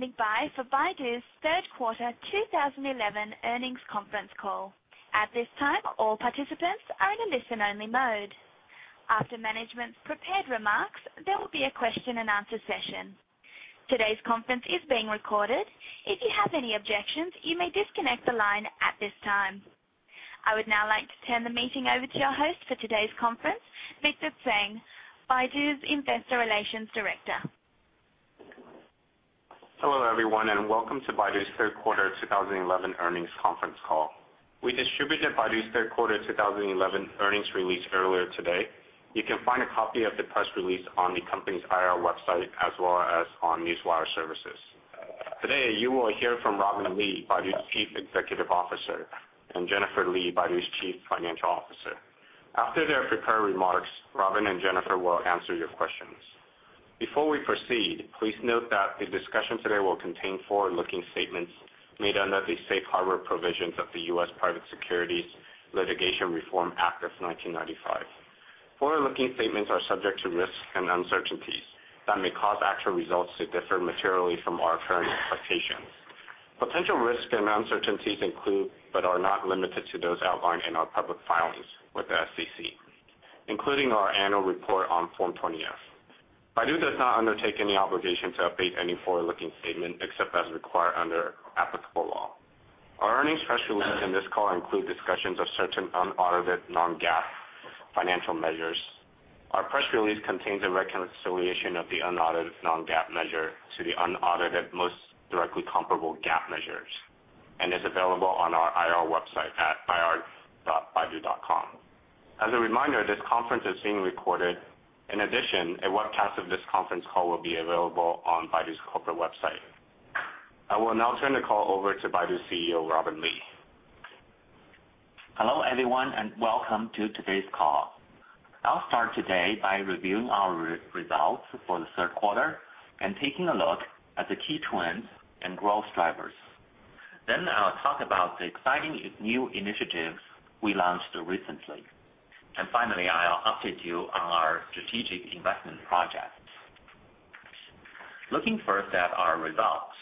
Hello, and thank you for standing by for Baidu's Third Quarter 2011 Earnings Conference Call. At this time, all participants are in a listen-only mode. After management's prepared remarks, there will be a question and answer session. Today's conference is being recorded. If you have any objections, you may disconnect the line at this time. I would now like to turn the meeting over to our host for today's conference, Mr. Tseng, Baidu's Investor Relations Director. Hello, everyone, and welcome to Baidu's Third Quarter 2011 Earnings Conference Call. We distributed Baidu's third quarter 2011 earnings release earlier today. You can find a copy of the press release on the company's IR website, as well as on Newswire Services. Today, you will hear from Robin Li, Baidu's Chief Executive Officer, and Jennifer Li, Baidu's Chief Financial Officer. After their prepared remarks, Robin and Jennifer will answer your questions. Before we proceed, please note that the discussion today will contain forward-looking statements made under the Safe Harbor provisions of the U.S. Private Securities Litigation Reform Act of 1995. Forward-looking statements are subject to risks and uncertainties that may cause actual results to differ materially from our current expectations. Potential risks and uncertainties include but are not limited to those outlined in our public filings with the SEC, including our annual report on Form 20-F. Baidu does not undertake any obligation to update any forward-looking statement except as required under applicable law. Our earnings press release in this call includes discussions of certain unaudited non-GAAP financial measures. Our press release contains a reconciliation of the unaudited non-GAAP measure to the unaudited most directly comparable GAAP measures and is available on our IR website at ir.baidu.com. As a reminder, this conference is being recorded. In addition, a webcast of this conference call will be available on Baidu's corporate website. I will now turn the call over to Baidu's CEO, Robin Li. Hello, everyone, and welcome to today's call. I'll start today by reviewing our results for the third quarter and taking a look at the key trends and growth drivers. Then I'll talk about the exciting new initiatives we launched recently. Finally, I'll update you on our strategic investment projects. Looking first at our results,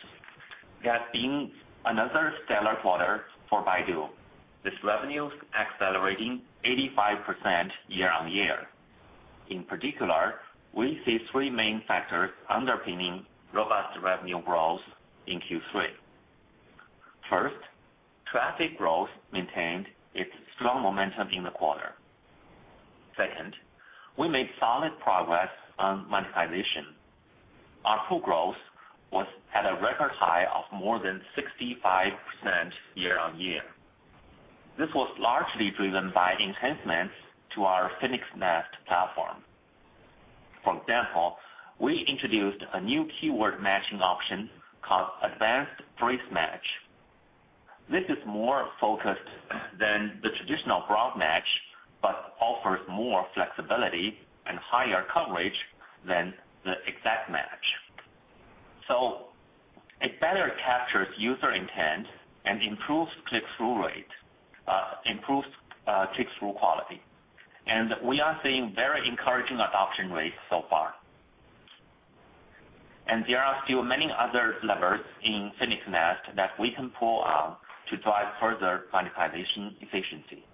there's been another stellar quarter for Baidu. Its revenues accelerated 85% year-on-year. In particular, we see three main factors underpinning robust revenue growth in Q3. First, traffic growth maintained its strong momentum in the quarter. Second, we made solid progress on monetization. ARPU growth had a record high of more than 65% year-on-year. This was largely driven by enhancements to our Phoenix Nest platform. For example, we introduced a new keyword matching option called Advanced Phrase Match. This is more focused than the traditional broad match but offers more flexibility and higher coverage than the exact match. It better captures user intent and improves click-through rate, improves click-through quality. We are seeing very encouraging adoption rates so far. There are still many other levers in Phoenix Nest that we can pull out to drive further monetization efficiency.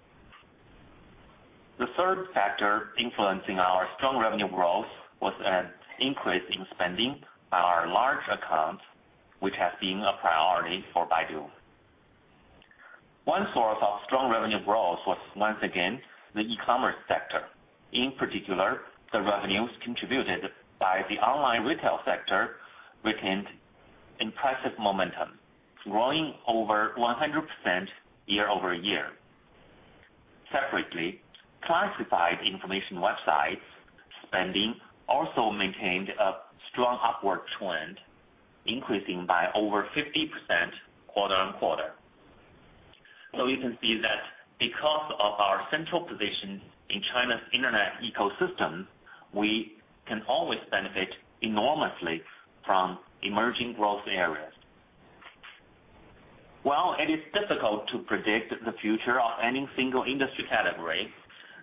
The third factor influencing our strong revenue growth was an increase in spending by our large accounts, which has been a priority for Baidu. One source of strong revenue growth was, once again, the e-commerce sector. In particular, the revenues contributed by the online retail sector regained impressive momentum, growing over 100% year-over-year. Separately, classified information websites' spending also maintained a strong upward trend, increasing by over 50% quarter-on-quarter. You can see that because of our central position in China's internet ecosystem, we can always benefit enormously from emerging growth areas. While it is difficult to predict the future of any single industry category,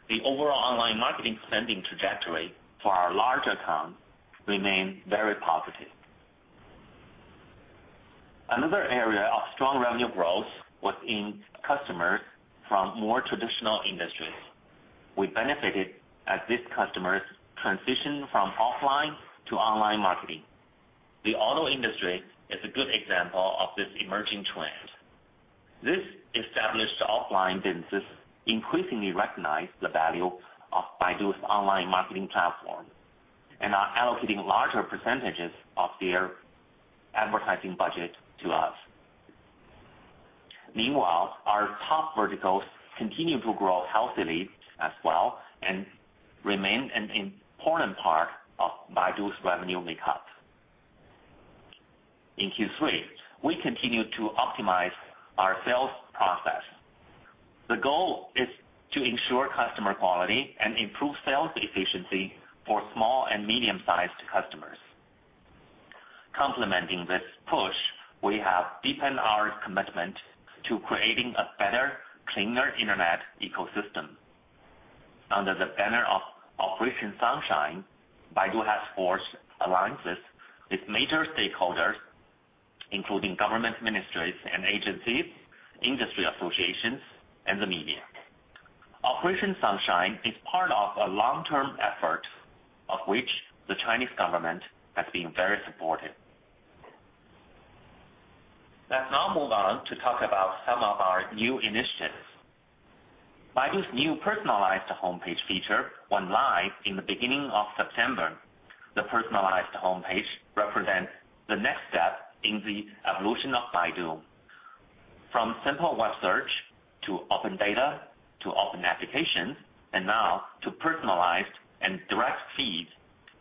the overall online marketing spending trajectory for our large accounts remains very positive. Another area of strong revenue growth was in customers from more traditional industries. We benefited as these customers transitioned from offline to online marketing. The auto industry is a good example of this emerging trend. These established offline businesses increasingly recognize the value of Baidu's online marketing platform and are allocating larger percentages of their advertising budget to us. Meanwhile, our top verticals continue to grow healthily as well and remain an important part of Baidu's revenue makeup. In Q3, we continue to optimize our sales process. The goal is to ensure customer quality and improve sales efficiency for small and medium-sized customers. Complementing this push, we have deepened our commitment to creating a better, cleaner internet ecosystem. Under the banner of Operation Sunshine, Baidu has forged alliances with major stakeholders, including government ministries and agencies, industry associations, and the media. Operation Sunshine is part of a long-term effort of which the Chinese government has been very supportive. Let's now move on to talk about some of our new initiatives. Baidu's new personalized homepage feature went live in the beginning of September. The personalized homepage represents the next step in the evolution of Baidu, from simple web search to open data to open applications, and now to personalized and direct feeds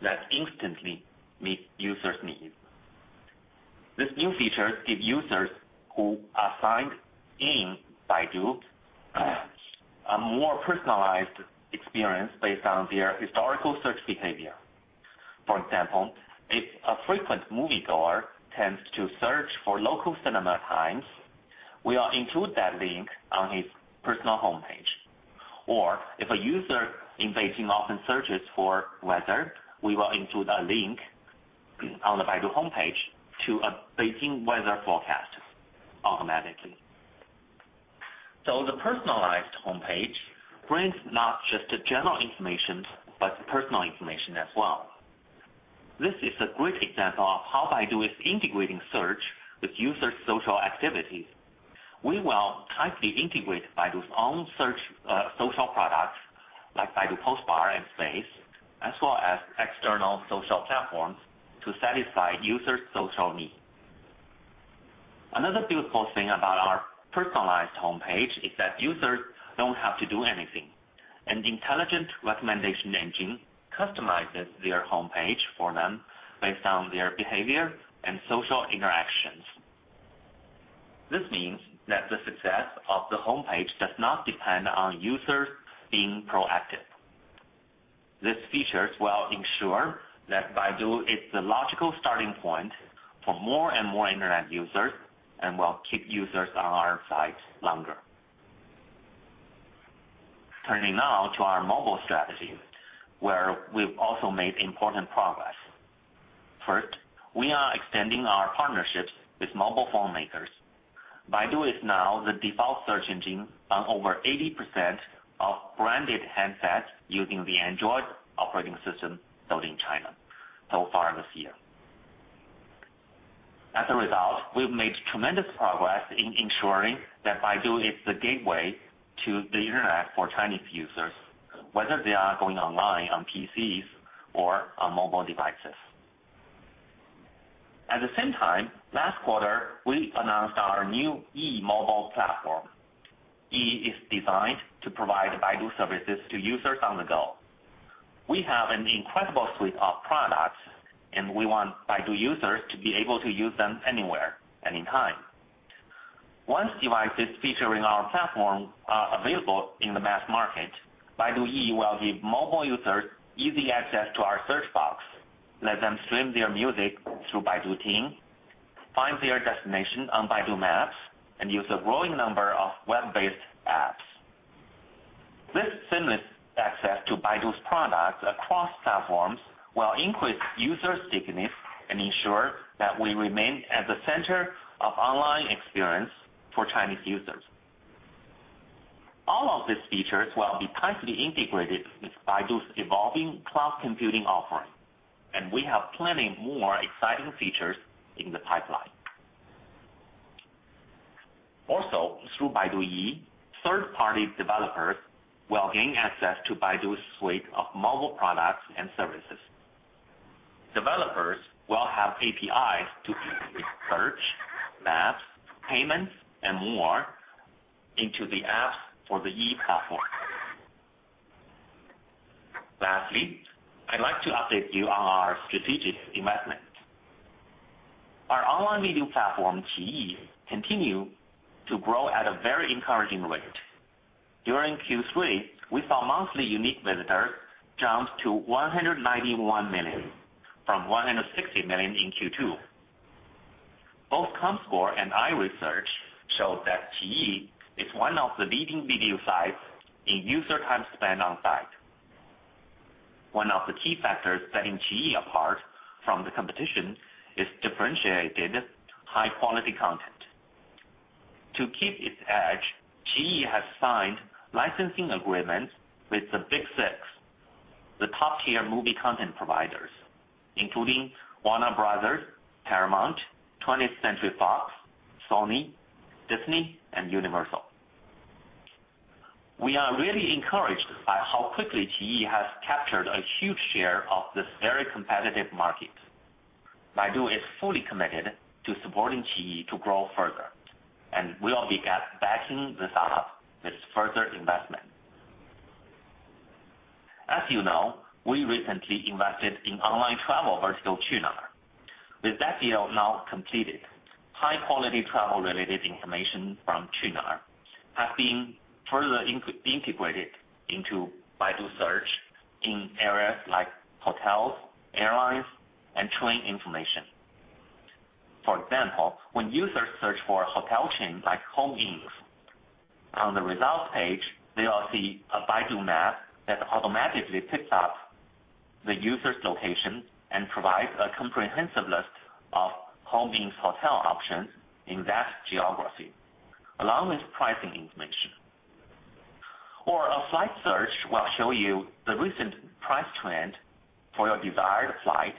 that instantly meet users' needs. This new feature gives users who are signed in Baidu a more personalized experience based on their historical search behavior. For example, if a frequent moviegoer tends to search for local cinema times, we'll include that link on his personal homepage. If a user in Beijing often searches for weather, we will include a link on the Baidu homepage to a Beijing weather forecast automatically. The personalized homepage brings not just the general information but personal information as well. This is a great example of how Baidu is integrating search with users' social activities. We will tightly integrate Baidu's own search social products, like Baidu Post and Space, as well as external social platforms to satisfy users' social needs. Another beautiful thing about our personalized homepage is that users don't have to do anything. An intelligent recommendation engine customizes their homepage for them based on their behavior and social interactions. This means that the success of the homepage does not depend on users being proactive. These features will ensure that Baidu is the logical starting point for more and more internet users and will keep users on our site longer. Turning now to our mobile strategy, where we've also made important progress. First, we are extending our partnerships with mobile phone makers. Baidu is now the default search engine on over 80% of branded handsets using the Android operating system sold in China so far this year. As a result, we've made tremendous progress in ensuring that Baidu is the gateway to the internet for Chinese users, whether they are going online on PCs or on mobile devices. At the same time, last quarter, we announced our new Baidu Yi mobile platform. Baidu Yi is designed to provide Baidu services to users on the go. We have an incredible suite of products, and we want Baidu users to be able to use them anywhere, anytime. Once devices featuring our platform are available in the mass market, Baidu Yi will give mobile users easy access to our search box, let them stream their music through Baidu App, find their destination on Baidu Maps, and use a growing number of web-based apps. This seamless access to Baidu's products across platforms will increase user stickiness and ensure that we remain at the center of the online experience for Chinese users. All of these features will be tightly integrated with Baidu's evolving AI Cloud computing offering, and we have plenty more exciting features in the pipeline. Also, through Baidu Yi, third-party developers will gain access to Baidu's suite of mobile products and services. Developers will have APIs to keep its search, maps, payments, and more into the apps for the Baidu Yi platform. Lastly, I'd like to update you on our strategic investment. Our online media platform, iQIYI, continues to grow at a very encouraging rate. During Q3, we saw monthly unique visitors jump to 191 million, from 160 million in Q2. Both Comscore and iResearch show that iQIYI is one of the leading video sites in user time spent onsite. One of the key factors setting iQIYI apart from the competition is differentiated high-quality content. To keep its edge, iQIYI has signed licensing agreements with the Big Six, the top-tier movie content providers, including Warner Brothers, Paramount, 20th Century Fox, Sony, Disney, and Universal. We are really encouraged by how quickly iQIYI has captured a huge share of this very competitive market. Baidu is fully committed to supporting iQIYI to grow further, and we'll be backing this up with further investment. As you know, we recently invested in online travel vertical, Qunar. With that deal now completed, high-quality travel-related information from Qunar has been further integrated into Baidu Search in areas like hotels, airlines, and train information. For example, when users search for hotel chains like Home Inns, on the results page, they will see a Baidu Map that automatically picks up the user's location and provides a comprehensive list of Home Inns hotel options in that geography, along with pricing information. A flight search will show you the recent price trend for your desired flight,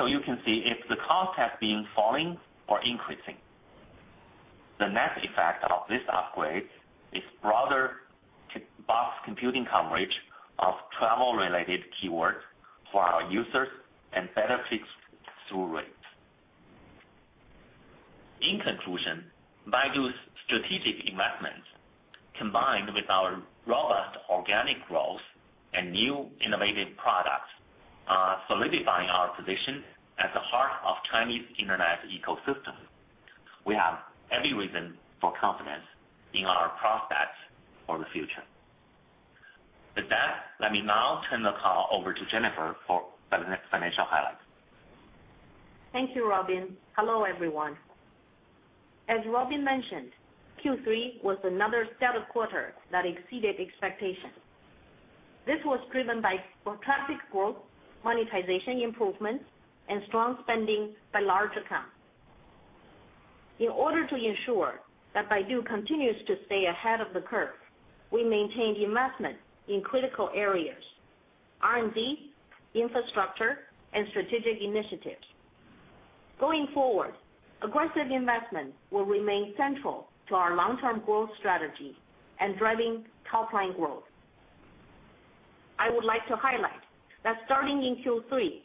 so you can see if the cost has been falling or increasing. The net effect of this upgrade is broader box computing coverage of travel-related keywords for our users and better click-through rate. In conclusion, Baidu's strategic investment, combined with our robust organic growth and new innovative products, are solidifying our position at the heart of the Chinese internet ecosystem. We have every reason for confidence in our prospects for the future. With that, let me now turn the call over to Jennifer Li for the next financial highlight. Thank you, Robin. Hello, everyone. As Robin mentioned, Q3 was another stellar quarter that exceeded expectations. This was driven by fantastic growth, monetization improvements, and strong spending by large accounts. In order to ensure that Baidu continues to stay ahead of the curve, we maintained investment in critical areas: R&D, infrastructure, and strategic initiatives. Going forward, aggressive investment will remain central to our long-term growth strategy and driving top-line growth. I would like to highlight that starting in Q3,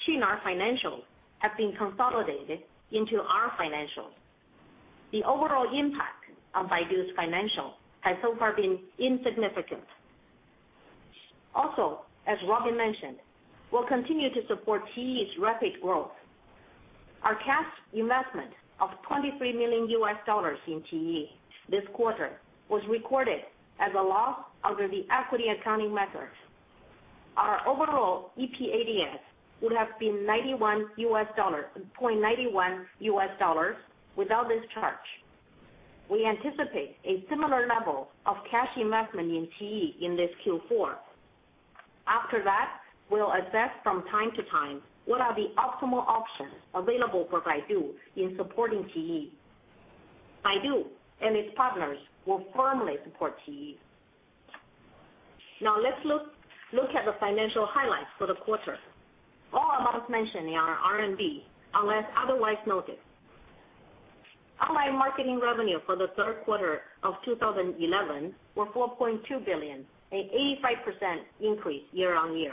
Qunar financials have been consolidated into our financials. The overall impact on Baidu's financials has so far been insignificant. Also, as Robin mentioned, we'll continue to support iQIYI's rapid growth. Our cash investment of $23 million in iQIYI this quarter was recorded as a loss under the equity accounting methods. Our overall EPADS would have been $91- $0.91 without this charge. We anticipate a similar level of cash investment in iQIYI in this Q4. After that, we'll assess from time to time what are the optimal options available for Baidu in supporting iQIYI. Baidu and its partners will firmly support iQIYI. Now, let's look at the financial highlights for the quarter. All amounts mentioned are RMB, unless otherwise noted. Online marketing revenue for the third quarter of 2011 was RMB 4.2 billion, an 85% increase year-on-year.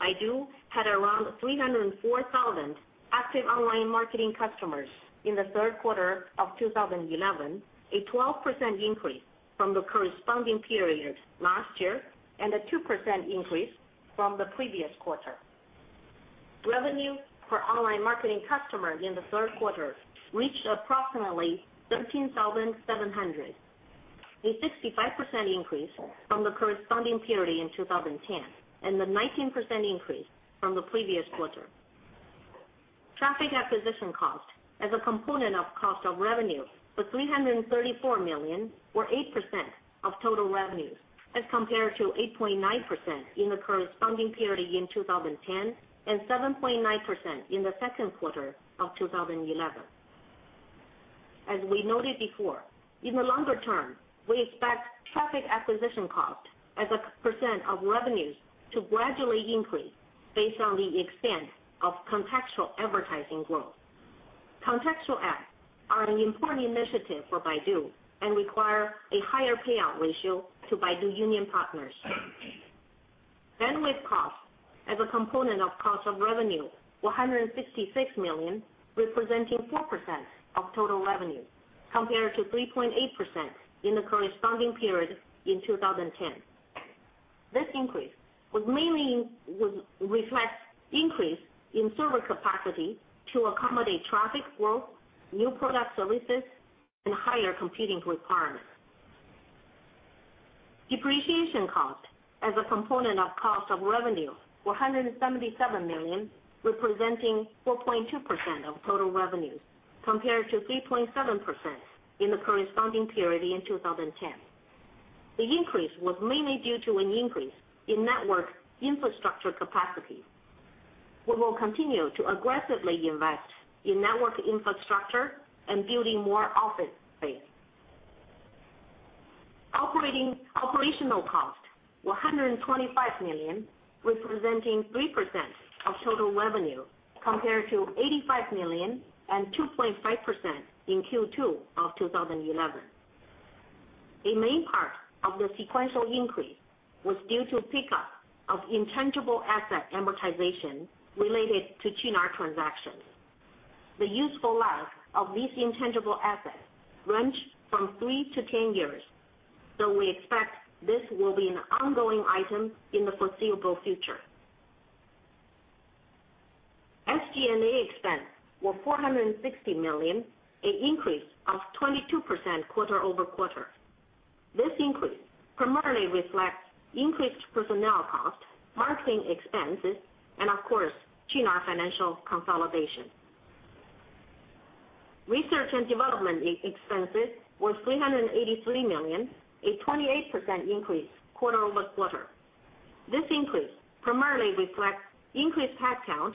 Baidu had around 304,000 active online marketing customers in the third quarter of 2011, a 12% increase from the corresponding period last year, and a 2% increase from the previous quarter. Revenue per online marketing customer in the third quarter reached approximately 13,700, a 65% increase from the corresponding period in 2010, and a 19% increase from the previous quarter. Traffic acquisition cost, as a component of cost of revenue, was 334 million, or 8% of total revenues, as compared to 8.9% in the corresponding period in 2010 and 7.9% in the second quarter of 2011. As we noted before, in the longer term, we expect traffic acquisition cost as a percent of revenues to gradually increase based on the extent of contextual advertising growth. Contextual ads are an important initiative for Baidu and require a higher payout ratio to Baidu Union partners. Bandwidth cost, as a component of cost of revenue, was 156 million, representing 4% of total revenue, compared to 3.8% in the corresponding period in 2010. This increase would mainly reflect an increase in server capacity to accommodate traffic growth, new product releases, and higher computing requirements. Depreciation cost, as a component of cost of revenue, was RMB 177 million, representing 4.2% of total revenues, compared to 3.7% in the corresponding period in 2010. The increase was mainly due to an increase in network infrastructure capacity. We will continue to aggressively invest in network infrastructure and building more office space. Operational cost was 125 million, representing 3% of total revenue, compared to 85 million and 2.5% in Q2 of 2011. A main part of the sequential increase was due to the pickup of intangible asset amortization related to Qunar transactions. The useful life of these intangible assets ranged from three to ten years, so we expect this will be an ongoing item in the foreseeable future. SG&A expense was 460 million, an increase of 22% quarter-over-quarter. This increase primarily reflects increased personnel cost, marketing expenses, and, of course, Qunar financial consolidation. Research and development expenses were 383 million, a 28% increase quarter-over-quarter. This increase primarily reflects increased headcount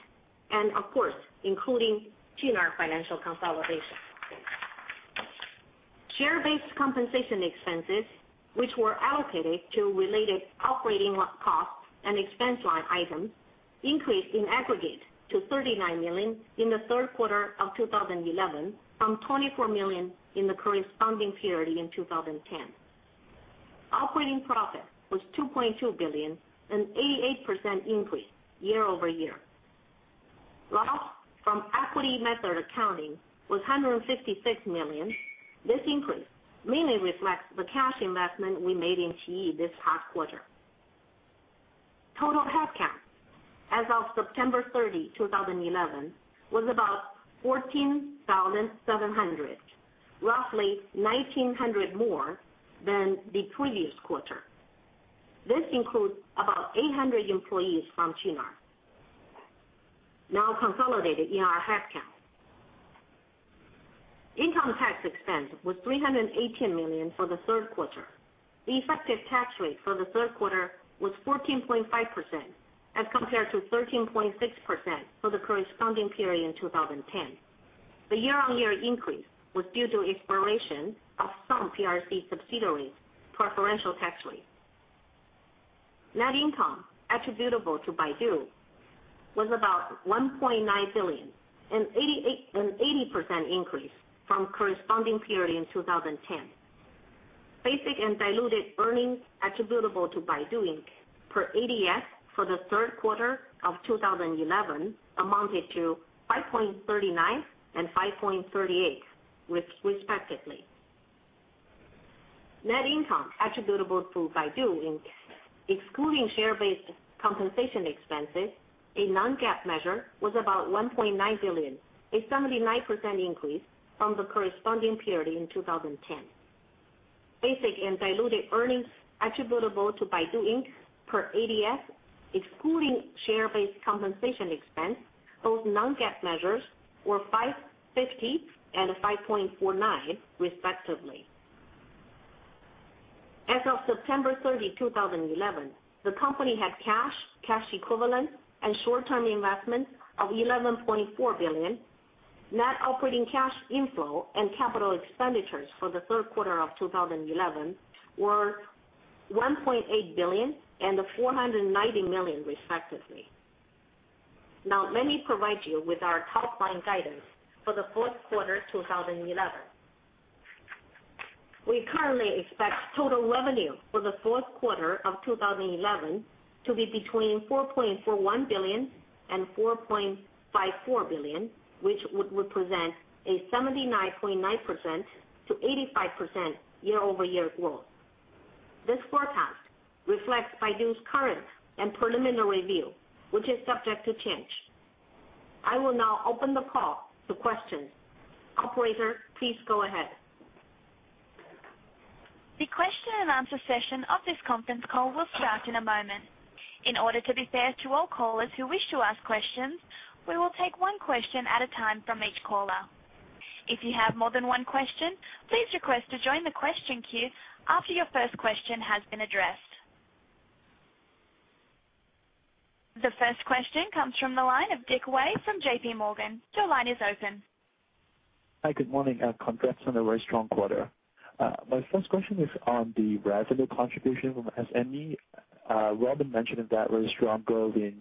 and, of course, including Qunar financial consolidation. Share-based compensation expenses, which were allocated to related operating costs and expense line items, increased in aggregate to 39 million in the third quarter of 2011, from 24 million in the corresponding period in 2010. Operating profit was 2.2 billion, an 88% increase year-over-year. Loss from equity method accounting was RMB 156 million. This increase mainly reflects the cash investment we made in iQIYI this past quarter. Total headcount, as of September 30, 2011, was about 14,700, roughly 1,900 more than the previous quarter. This includes about 800 employees from Qunar, now consolidated in our headcount. Income tax expense was 318 million for the third quarter. The effective tax rate for the third quarter was 14.5%, as compared to 13.6% for the corresponding period in 2010. The year-on-year increase was due to the expiration of some PRC subsidiaries' preferential tax rate. Net income attributable to Baidu was about 1.9 billion, an 80% increase from the corresponding period in 2010. Basic and diluted earnings attributable to Baidu Inc. per ADS for the third quarter of 2011 amounted to RMB 5.39 and RMB 5.38, respectively. Net income attributable to Baidu Inc., excluding share-based compensation expenses, a non-GAAP measure, was about 1.9 billion, a 79% increase from the corresponding period in 2010. Basic and diluted earnings attributable to Baidu Inc. per ADS, excluding share-based compensation expense, those non-GAAP measures were RMB 5.50 and RMB 5.49, respectively. As of September 30th, 2011, the company had cash, cash equivalents, and short-term investments of RMB 11.4 billion. Net operating cash inflow and capital expenditures for the third quarter of 2011 were 1.8 billion and 490 million, respectively. Now, let me provide you with our top-line guidance for the fourth quarter 2011. We currently expect total revenue for the fourth quarter of 2011 to be between 4.41 billion and 4.54 billion, which would represent a 79.9%-85% year-over-year growth. This forecast reflects Baidu's current and preliminary view, which is subject to change. I will now open the call to questions. Operator, please go ahead. The question and answer session of this conference call will start in a moment. In order to be fair to all callers who wish to ask questions, we will take one question at a time from each caller. If you have more than one question, please request to join the question queue after your first question has been addressed. The first question comes from the line of Dick Wei from JPMorgan. Your line is open. Hi, good morning. Congrats on a very strong quarter. My first question is on the revenue contribution from SMEs. Robin mentioned that very strong growth in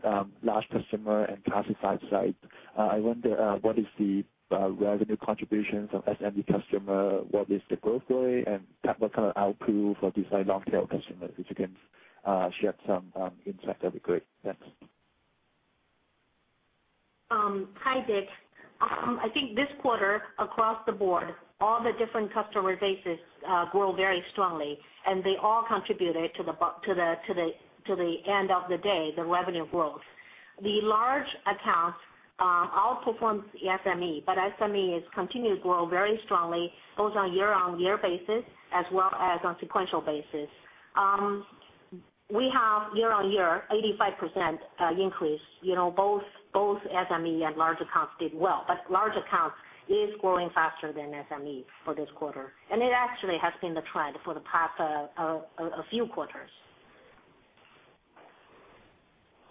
last customer and classified information websites. I wonder what is the revenue contribution from SME customers, what is the growth rate, and what kind of output for these long-tail customers? If you can share some insight, that would be great. Thanks. Hi, Dick. I think this quarter, across the board, all the different customer bases grow very strongly, and they all contributed to, at the end of the day, the revenue growth. The large accounts outperformed the SMEs, but SME has continued to grow very strongly, both on a year-on-year basis as well as on a sequential basis. We have, year-on-year, an 85% increase. You know, both SME and large accounts did well, but large accounts are growing faster than SME for this quarter, and it actually has been the trend for the past few quarters.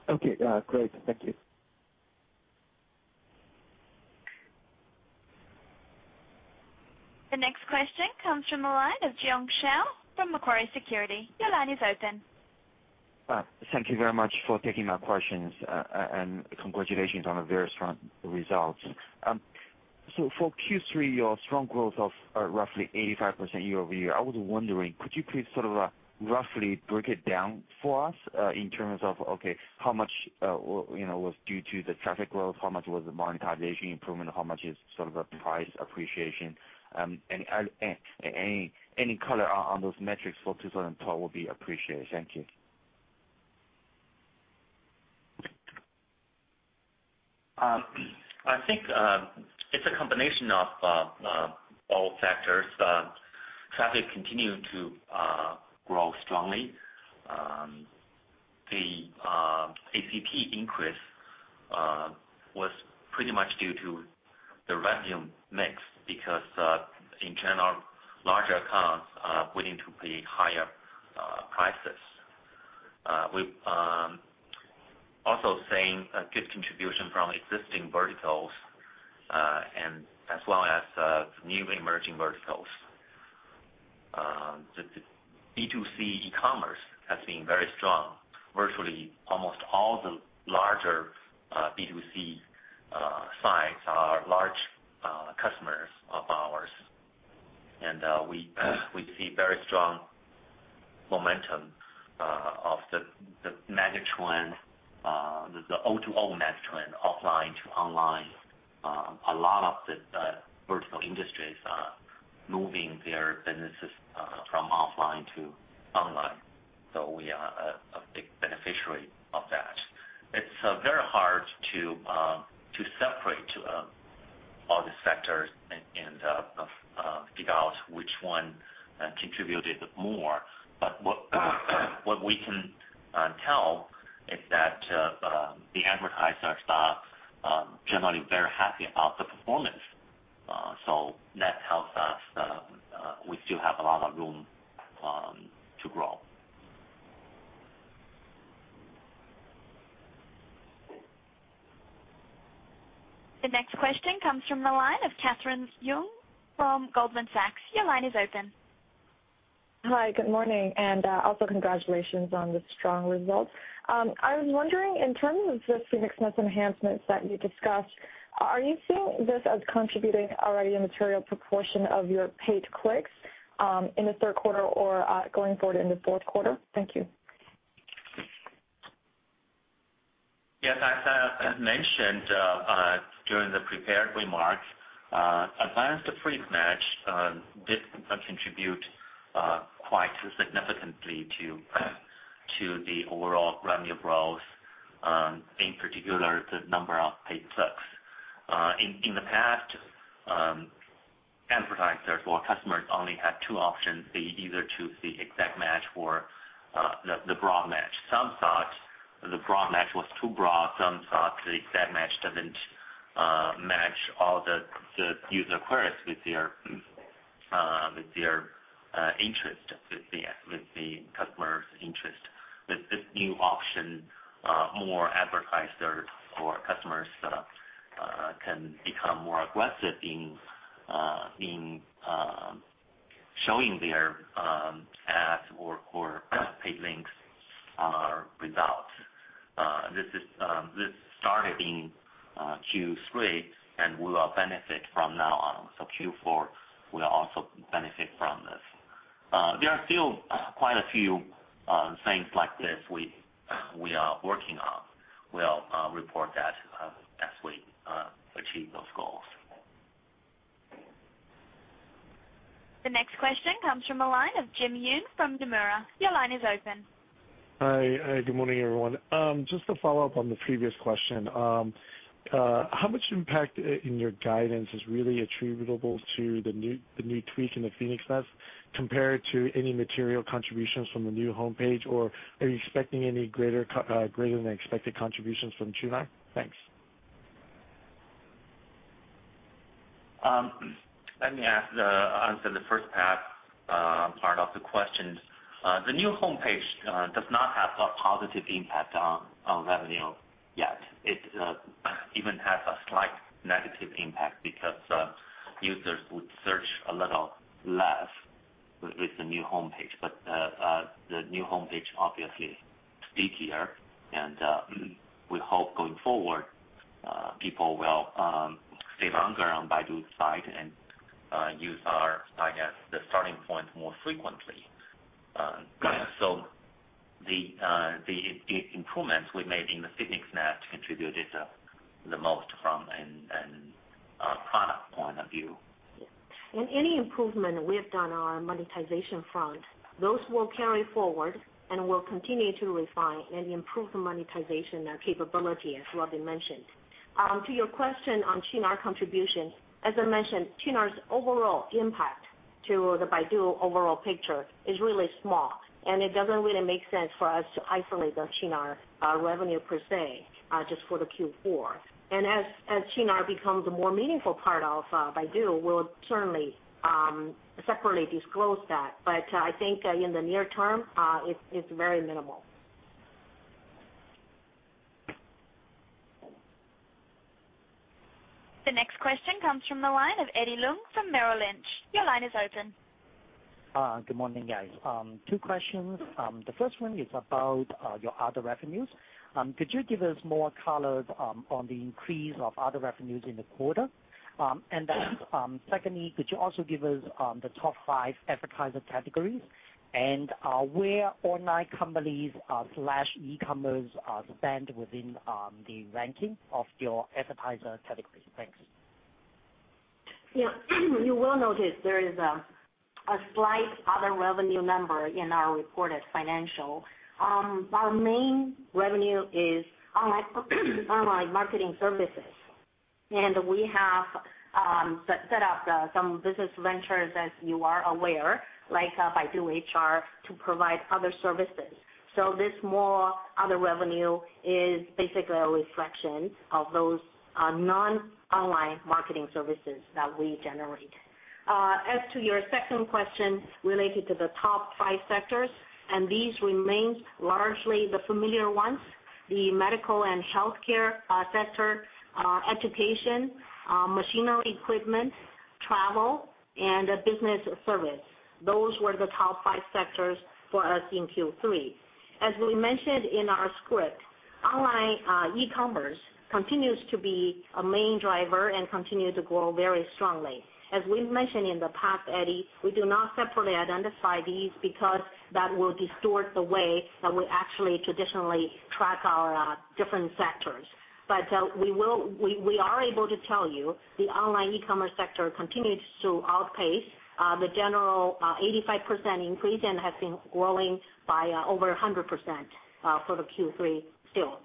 Okay, great. Thank you. The next question comes from the line of Jiong Shao from Macquarie Securities. Your line is open. Thank you very much for taking my questions, and congratulations on a very strong result. For Q3, your strong growth of roughly 85% year-over-year, I was wondering, could you please sort of roughly break it down for us in terms of, okay, how much was due to the traffic growth, how much was the monetization improvement, how much is sort of the price appreciation? Any color on those metrics for 2012 would be appreciated. Thank you. I think it's a combination of all factors. Traffic continued to grow strongly. The ACP increase was pretty much due to the revenue mix because, in general, large accounts are willing to pay higher prices. We're also seeing a good contribution from existing verticals, as well as new emerging verticals. B2C e-commerce has been very strong. Virtually almost all the larger B2C sites are large customers of ours, and we see very strong momentum of the net trend, the O2O net trend, offline to online. A lot of the vertical industries are moving their businesses from offline to online, so we are a big beneficiary of that. It is very hard to separate all the sectors and figure out which one contributed more, but what we can tell is that the advertisers are generally very happy about the performance, which tells us we still have a lot of room to grow. The next question comes from the line of Catherine Leung from Goldman Sachs. Your line is open. Hi, good morning, and also congratulations on this strong result. I was wondering, in terms of the Phoenix Nest enhancements that you discussed, are you seeing this as contributing already a material proportion of your paid clicks in the third quarter or going forward in the fourth quarter? Thank you. Yes, as I mentioned during the prepared remarks, advanced phrase match did contribute quite significantly to the overall revenue growth, in particular the number of paid clicks. In the past, advertisers or customers only had two options: they either choose the exact match or the broad match. Some thought the broad match was too broad, some thought the exact match doesn't match all the user queries with their interest, with the customer's interest. With this new option, more advertisers or customers can become more aggressive in showing their ads or paid links or results. This started in Q3 and will benefit from now on. Q4 will also benefit from this. There are still quite a few things like this we are working on. We'll report that as we achieve those goals. The next question comes from a line of Jin Yoon from Demura. Your line is open. Hi, good morning, everyone. Just to follow up on the previous question, how much impact in your guidance is really attributable to the new tweak in the Phoenix Nest compared to any material contributions from the new homepage, or are you expecting any greater than expected contributions from Qunar? Thanks. Let me answer the first part of the question. The new homepage does not have a positive impact on revenue yet. It even has a slight negative impact because users would search a little less with the new homepage, but the new homepage is obviously stickier, and we hope going forward people will stay longer on Baidu's site and use our site as the starting point more frequently. The improvements we made in the Phoenix Nest contributed the most from a product point of view. Any improvement we've done on our monetization front will carry forward, and we will continue to refine and improve the monetization capability, as Robin mentioned. To your question on Qunar contribution, as I mentioned, Qunar's overall impact to the Baidu overall picture is really small, and it doesn't really make sense for us to isolate the Qunar revenue per se just for Q4. As Qunar becomes a more meaningful part of Baidu, we'll certainly separately disclose that, but I think in the near term, it's very minimal. The next question comes from the line of Eddie Leung from Merrill Lynch. Your line is open. Good morning, guys. Two questions. The first one is about your other revenues. Could you give us more color on the increase of other revenues in the quarter? Could you also give us the top five advertiser categories and where online companies/e-commerce spend within the ranking of your advertiser categories? Thanks. You will notice there is a slight other revenue number in our reported financials. Our main revenue is online marketing services, and we have set up some business ventures, as you are aware, like Baidu HR, to provide other services. This more other revenue is basically a reflection of those non-online marketing services that we generate. As to your second question related to the top five sectors, these remain largely the familiar ones: the medical and healthcare sector, education, machinery equipment, travel, and business service. Those were the top five sectors for us in Q3. As we mentioned in our script, online e-commerce continues to be a main driver and continues to grow very strongly. As we mentioned in the past, Eddie, we do not separately identify these because that will distort the way that we actually traditionally track our different sectors. We are able to tell you the online e-commerce sector continues to outpace the general 85% increase and has been growing by over 100% for Q3 still.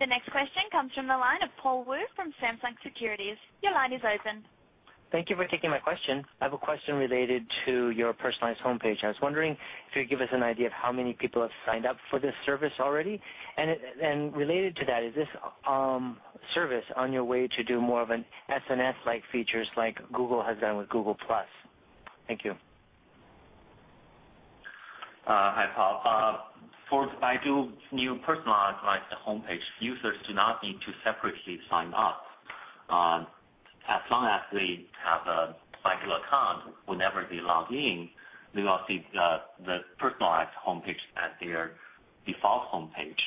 The next question comes from the line of Paul Wu from Samsung Securities. Your line is open. Thank you for taking my question. I have a question related to your personalized homepage. I was wondering if you could give us an idea of how many people have signed up for this service already? Related to that, is this service on your way to do more of an SNS-like features like Google has done with Google+? Thank you. Hi, Paul. For Baidu's new personalized homepage, users do not need to separately sign up. As long as they have a regular account, whenever they log in, they will see the personalized homepage as their default homepage.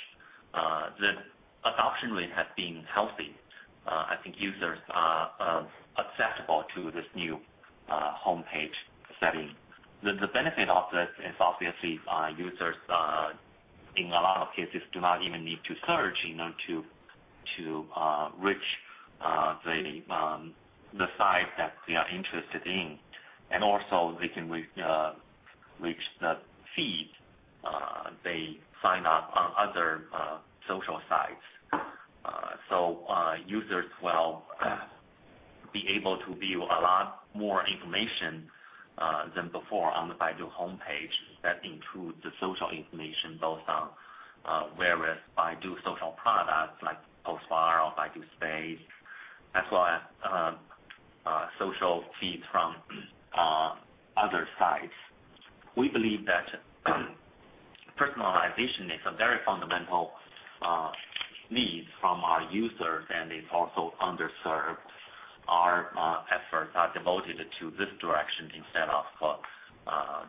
The adoption rate has been healthy. I think users are acceptable to this new homepage setting. The benefit of it is obviously users in a lot of cases do not even need to search to reach the site that they are interested in, and also they can reach the feed they sign up on other social sites. Users will be able to view a lot more information than before on the Baidu homepage that includes the social information based on various Baidu social products like Baidu Post or Baidu Space, as well as social feeds from other sites. We believe that personalization is a very fundamental need from our users, and it also underscores our efforts that are devoted to this direction instead of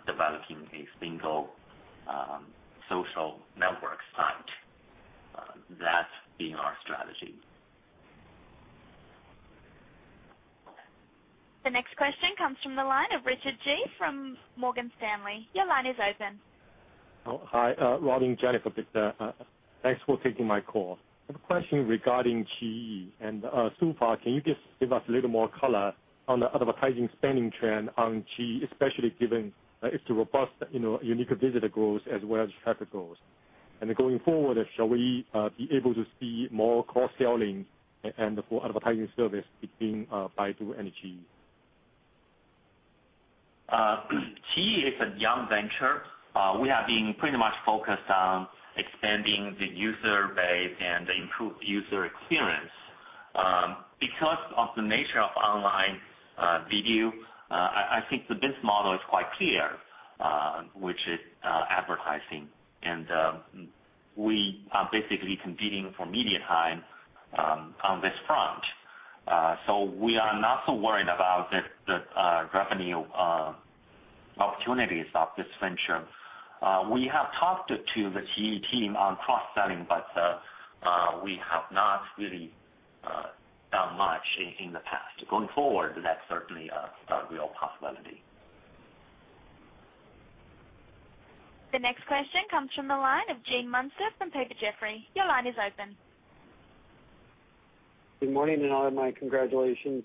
developing a single social network site. That's been our strategy. The next question comes from the line of Richard Ji from Morgan Stanley. Your line is open. Hi, Robin, Jennifer, thanks for taking my call. I have a question regarding iQIYI, and so far, can you just give us a little more color on the advertising spending trend on iQIYI, especially given its robust unique visitor growth as well as traffic growth? Going forward, shall we be able to see more cross-selling for advertising service between Baidu and iQIYI? iQIYI is a young venture. We have been pretty much focused on expanding the user base and improved user experience. Because of the nature of online video, I think the business model is quite clear, which is advertising, and we are basically competing for media time on this front. We are not so worried about the revenue opportunities of this venture. We have talked to the iQIYI team on cross-selling, but we have not really done much in the past. Going forward, that's certainly a real possibility. The next question comes from the line of Gene Munster from Piper Jaffray. Your line is open. Good morning, and all of my congratulations.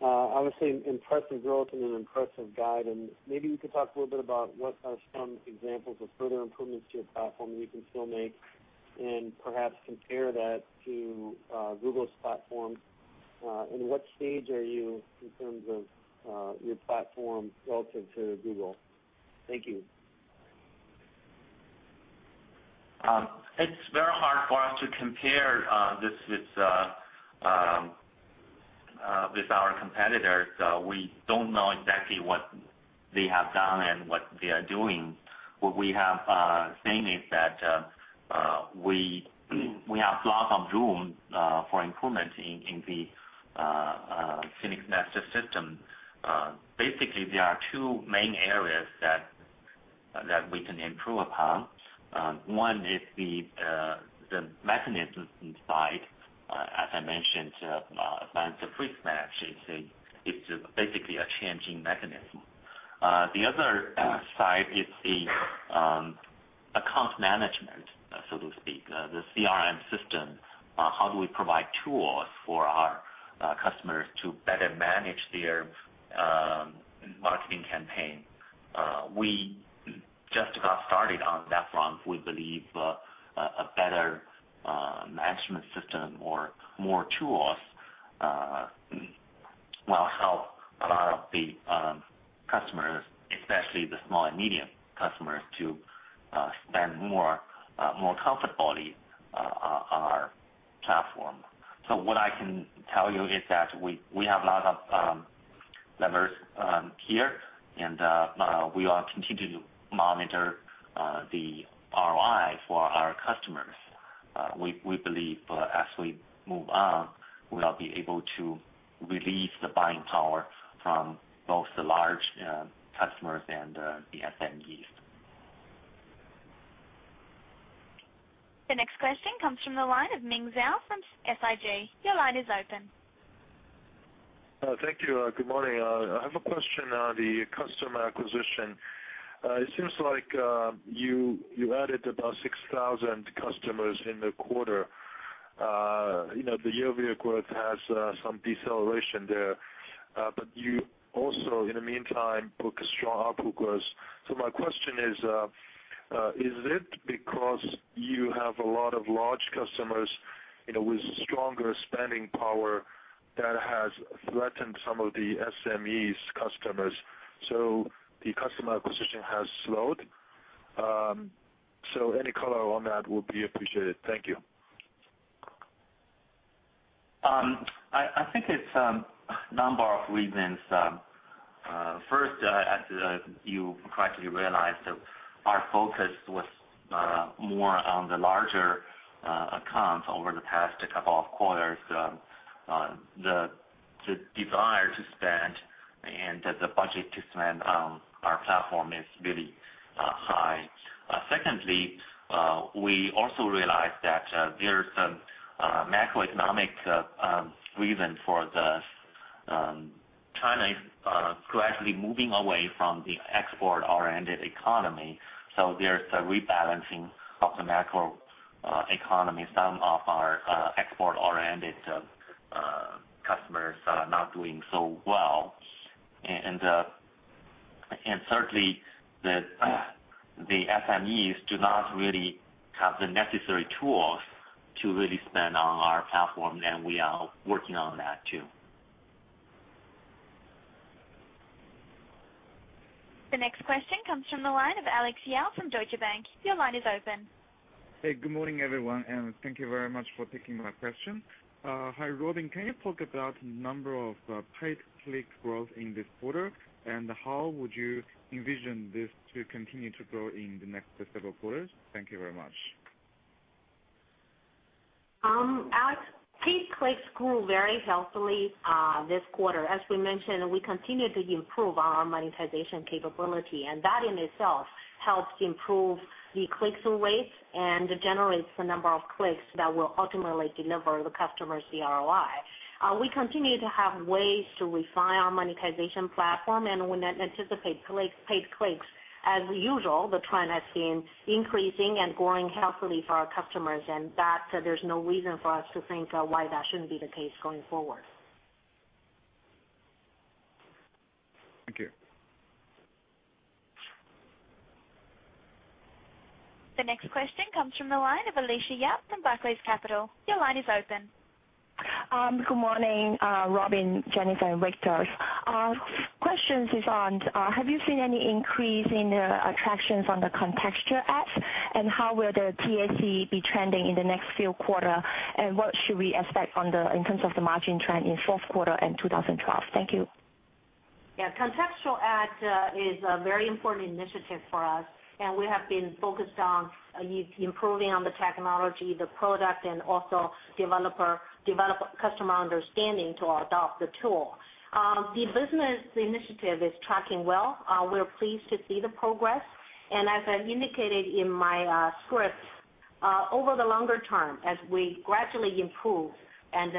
I would say an impressive growth and an impressive guidance. Maybe we could talk a little bit about what are some examples of further improvements to your platform that you can still make and perhaps compare that to Google's platforms. In what stage are you in terms of your platform relative to Google? Thank you. It's very hard for us to compare this with our competitors. We don't know exactly what they have done and what they are doing. What we have seen is that we have lots of room for improvement in the Phoenix Nest system. Basically, there are two main areas that we can improve upon. One is the mechanisms inside. As I mentioned, advanced phrase match is basically a changing mechanism. The other side is the account management, so to speak, the CRM system. How do we provide tools for our customers to better manage their marketing campaign? We just got started on that front. We believe a better management system or more tools will help a lot of the customers, especially the small and medium customers, to spend more comfortably on our platform. What I can tell you is that we have a lot of levers here, and we will continue to monitor the ROI for our customers. We believe as we move on, we will be able to release the buying power from both the large customers and the SMEs. The next question comes from the line of Ming Zhao from SIG. Your line is open. Thank you. Good morning. I have a question on the customer acquisition. It seems like you added about 6,000 customers in the quarter. The year-over-year growth has some deceleration there, but you also, in the meantime, booked strong out-bookers. My question is, is it because you have a lot of large customers with stronger spending power that has threatened some of the SMEs' customers, so the customer acquisition has slowed? Any color on that would be appreciated. Thank you. I think it's a number of reasons. First, as you probably realized, our focus was more on the large accounts over the past couple of quarters. The desire to spend and the budget to spend on our platform is really high. Secondly, we also realized that there's a macroeconomic reason for this. China is gradually moving away from the export-oriented economy, so there's a rebalancing of the macroeconomy. Some of our export-oriented customers are not doing so well. Thirdly, the SMEs do not really have the necessary tools to really spend on our platform, and we are working on that too. The next question comes from the line of Alex Yao from Deutsche Bank. Your line is open. Hey, good morning, everyone, and thank you very much for taking my question. Hi, Robin. Can you talk about the number of paid clicks growth in this quarter, and how would you envision this to continue to grow in the next several quarters? Thank you very much. Alex, paid clicks grew very healthily this quarter. As we mentioned, we continue to improve our monetization capability, and that in itself helps to improve the click-through rate and generates the number of clicks that will ultimately deliver the customer's ROI. We continue to have ways to refine our monetization platform, and we anticipate paid clicks, as usual, the trend I've seen increasing and growing healthily for our customers, and there's no reason for us to think why that shouldn't be the case going forward. Thank you. The next question comes from the line of Alicia Yap from Barclays Capital. Your line is open. Good morning, Robin, Jennifer, and Victor. Our question is on, have you seen any increase in attractions on the contextual ads, and how will the TAC be trending in the next few quarters, and what should we expect in terms of the margin trend in the fourth quarter and 2012? Thank you. Yeah, contextual ads is a very important initiative for us, and we have been focused on improving on the technology, the product, and also develop customer understanding to adopt the tool. The business initiative is tracking well. We're pleased to see the progress, and as I've indicated in my script, over the longer term, as we gradually improve and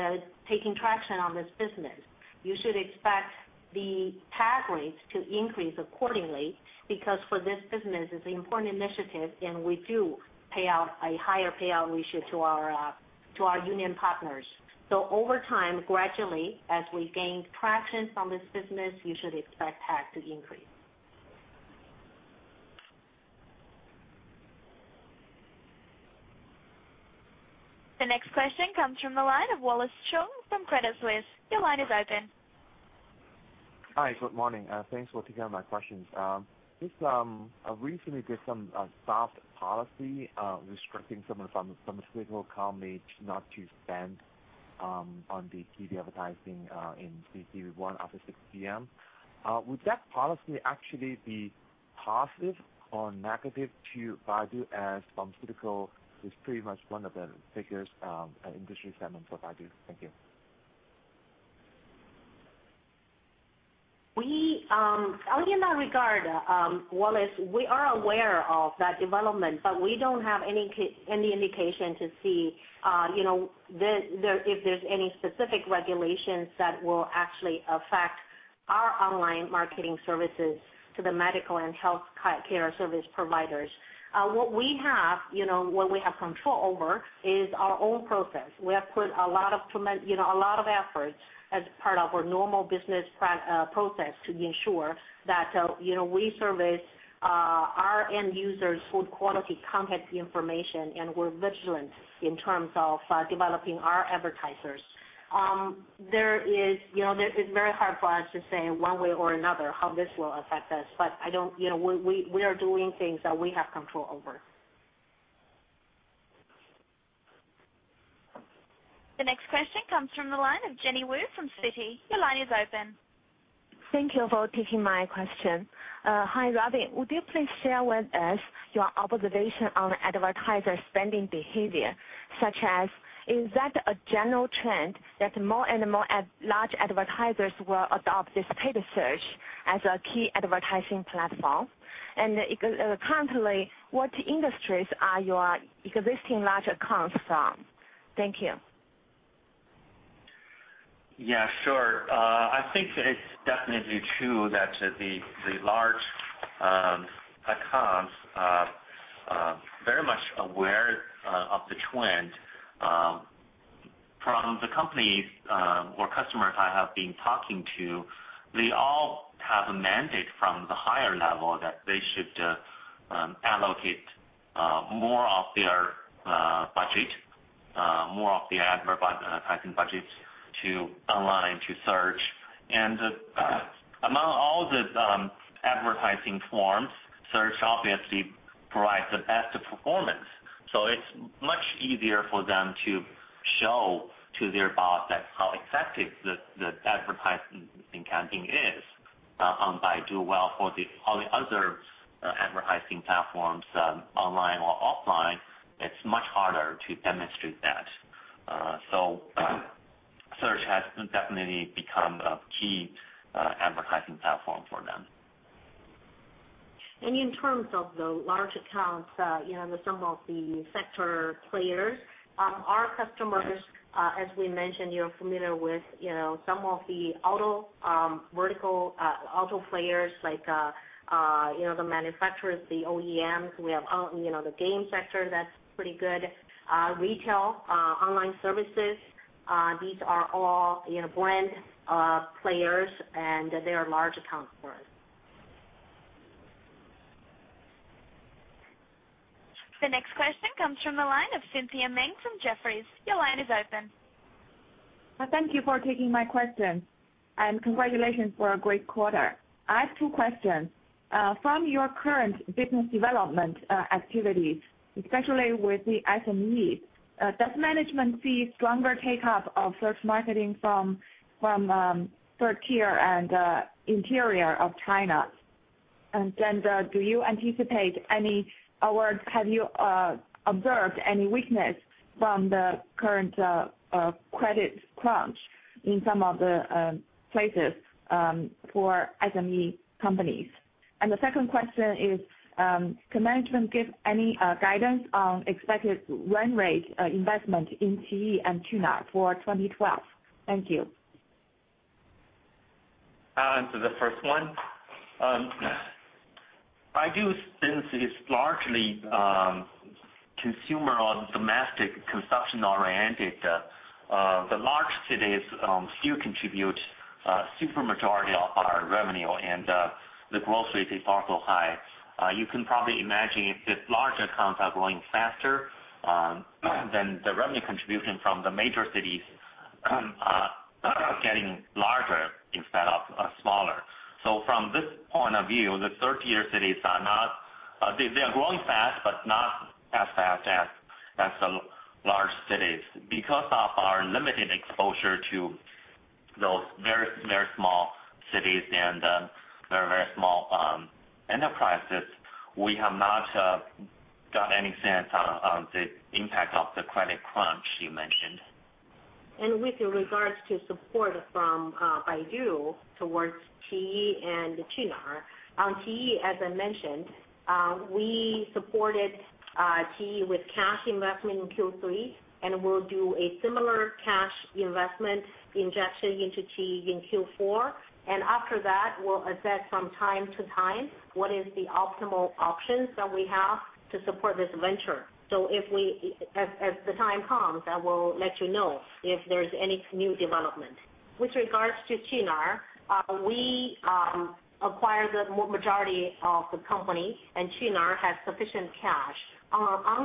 take traction on this business, you should expect the TAC rates to increase accordingly because for this business, it's an important initiative, and we do pay out a higher payout ratio to our union partners. Over time, gradually, as we gain traction from this business, you should expect TAC to increase. The next question comes from the line of Wallace Cheung from Credit Suisse. Your line is open. Hi, good morning. Thanks for taking my questions. I recently did some soft policy restricting some of the pharmaceutical companies not to spend on the TV advertising in CCV1 after 6:00 P.M. Would that policy actually be positive or negative to Baidu as pharmaceutical is pretty much one of the biggest industry segments for Baidu? Thank you. We are aware of that development, but we don't have any indication to see if there's any specific regulations that will actually affect our online marketing services to the medical and healthcare service providers. What we have control over is our own process. We have put a lot of effort as part of our normal business process to ensure that we service our end users with quality contact information, and we're vigilant in terms of developing our advertisers. It is very hard for us to say one way or another how this will affect us, but we are doing things that we have control over. The next question comes from the line of Jenny Wu from Citi. Your line is open. Thank you for taking my question. Hi, Robin. Would you please share with us your observation on advertiser spending behavior, such as, is that a general trend that more and more large advertisers will adopt this paid search as a key advertising platform? Currently, what industries are your existing large accounts from? Thank you. Yeah, sure. I think it's definitely true that the large accounts are very much aware of the trend. From the companies or customers I have been talking to, they all have a mandate from the higher level that they should allocate more of their budget, more of the advertising budgets to online to search. Among all the advertising forms, search obviously provides the best performance, so it's much easier for them to show to their boss how effective the advertising campaign is on Baidu. For the other advertising platforms, online or offline, it's much harder to demonstrate that. Search has definitely become a key advertising platform for them. In terms of the large accounts and some of the sector players, our customers, as we mentioned, you're familiar with some of the auto vertical auto players like the manufacturers, the OEMs. We have the game sector that's pretty good. Retail, online services, these are all brand players, and they are large accounts for us. The next question comes from the line of Cynthia Meng from Jefferies. Your line is open. Thank you for taking my question, and congratulations for a great quarter. I have two questions. From your current business development activities, especially with the SMEs, does management see stronger take-up of search marketing from third-tier and interior of China? Do you anticipate any, or have you observed any weakness from the current credit crunch in some of the places for SME companies? The second question is, can management give any guidance on expected run rate investment in iQIYI and Qunar for 2012? Thank you. For the first one, Baidu, since it's largely consumer or domestic consumption-oriented, the large cities still contribute a supermajority of our revenue, and the growth rate is far too high. You can probably imagine the large accounts are growing faster, and the revenue contribution from the major cities is getting larger instead of smaller. From this point of view, the third-tier cities are growing fast, but not as fast as the large cities. Because of our limited exposure to those very, very small cities and very, very small enterprises, we have not got any sense of the impact of the credit crunch you mentioned. With regards to support from Baidu towards iQIYI and Qunar, on iQIYI, as I mentioned, we supported iQIYI with cash investment in Q3, and we'll do a similar cash investment injection into iQIYI in Q4. After that, we'll assess from time to time what is the optimal options that we have to support this venture. If, as the time comes, I will let you know if there's any new development. With regards to Qunar, we acquired the majority of the company, and Qunar has sufficient cash. On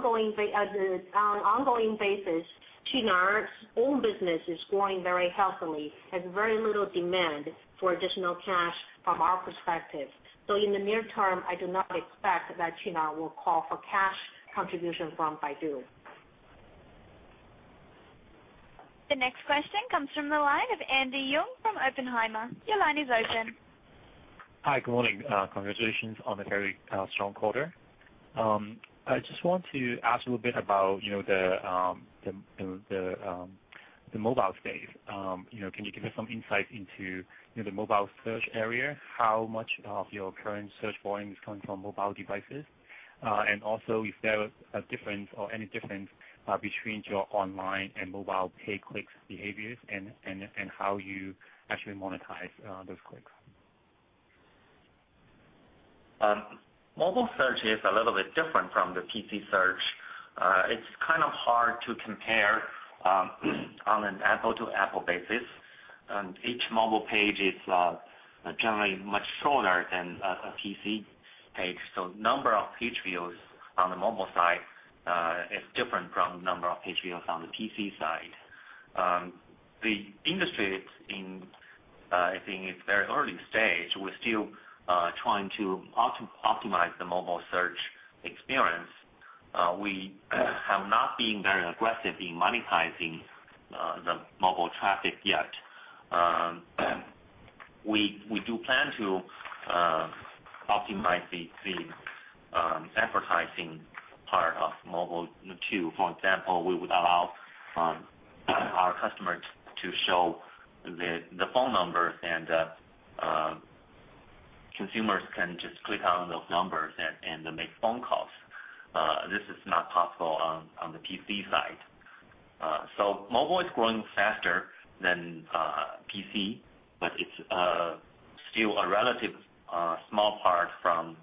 an ongoing basis, Qunar's own business is growing very healthily, has very little demand for additional cash from our perspective. In the near term, I do not expect that Qunar will call for cash contribution from Baidu. The next question comes from the line of Andy Yeung from Oppenheimer. Your line is open. Hi, good morning. Congratulations on a very strong quarter. I just want to ask a little bit about the mobile space. Can you give us some insight into the mobile search area, how much of your current search volume is coming from mobile devices, and also, is there a difference or any difference between your online and mobile paid clicks behaviors and how you actually monetize those clicks? Mobile search is a little bit different from the PC search. It's kind of hard to compare on an app-to-app basis. Each mobile page is generally much shorter than a PC page, so the number of page views on the mobile side is different from the number of page views on the PC side. The industry is in, I think, its very early stage. We're still trying to optimize the mobile search experience. We have not been very aggressive in monetizing the mobile traffic yet. We do plan to optimize the advertising part of mobile too. For example, we would allow our customers to show the phone numbers, and consumers can just click on those numbers and make phone calls. This is not possible on the PC side. Mobile is growing faster than PC, but it's still a relatively small part from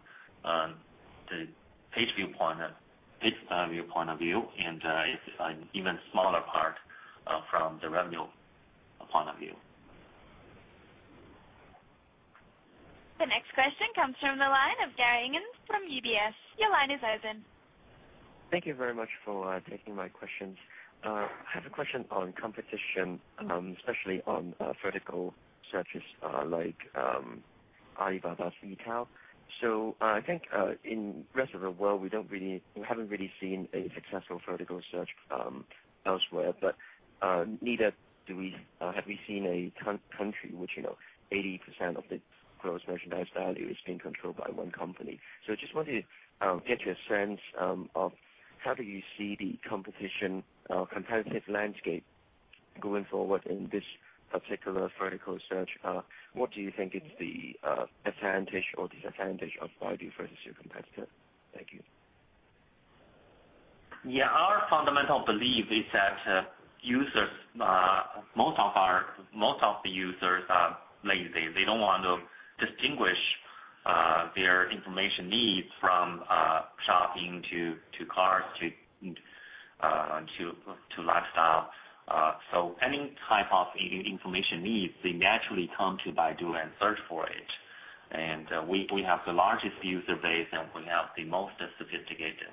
the page view point, digital view point of view, and it's an even smaller part from the revenue point of view. The next question comes from the line of Gary Ngan from UBS. Your line is open. Thank you very much for taking my questions. I have a question on competition, especially on vertical searches like Alibaba's retail. In the rest of the world, we haven't really seen a successful vertical search elsewhere, but neither have we seen a country which, you know, 80% of the gross merchandise value is being controlled by one company. I just want to get your sense of how do you see the competition, competitive landscape going forward in this particular vertical search. What do you think is the advantage or disadvantage of Baidu versus your competitor? Thank you. Yeah, our fundamental belief is that users, most of the users, they don't want to distinguish their information needs from shopping to cars to lifestyle. Any type of information needs, they naturally come to Baidu and search for it. We have the largest user base, and we have the most sophisticated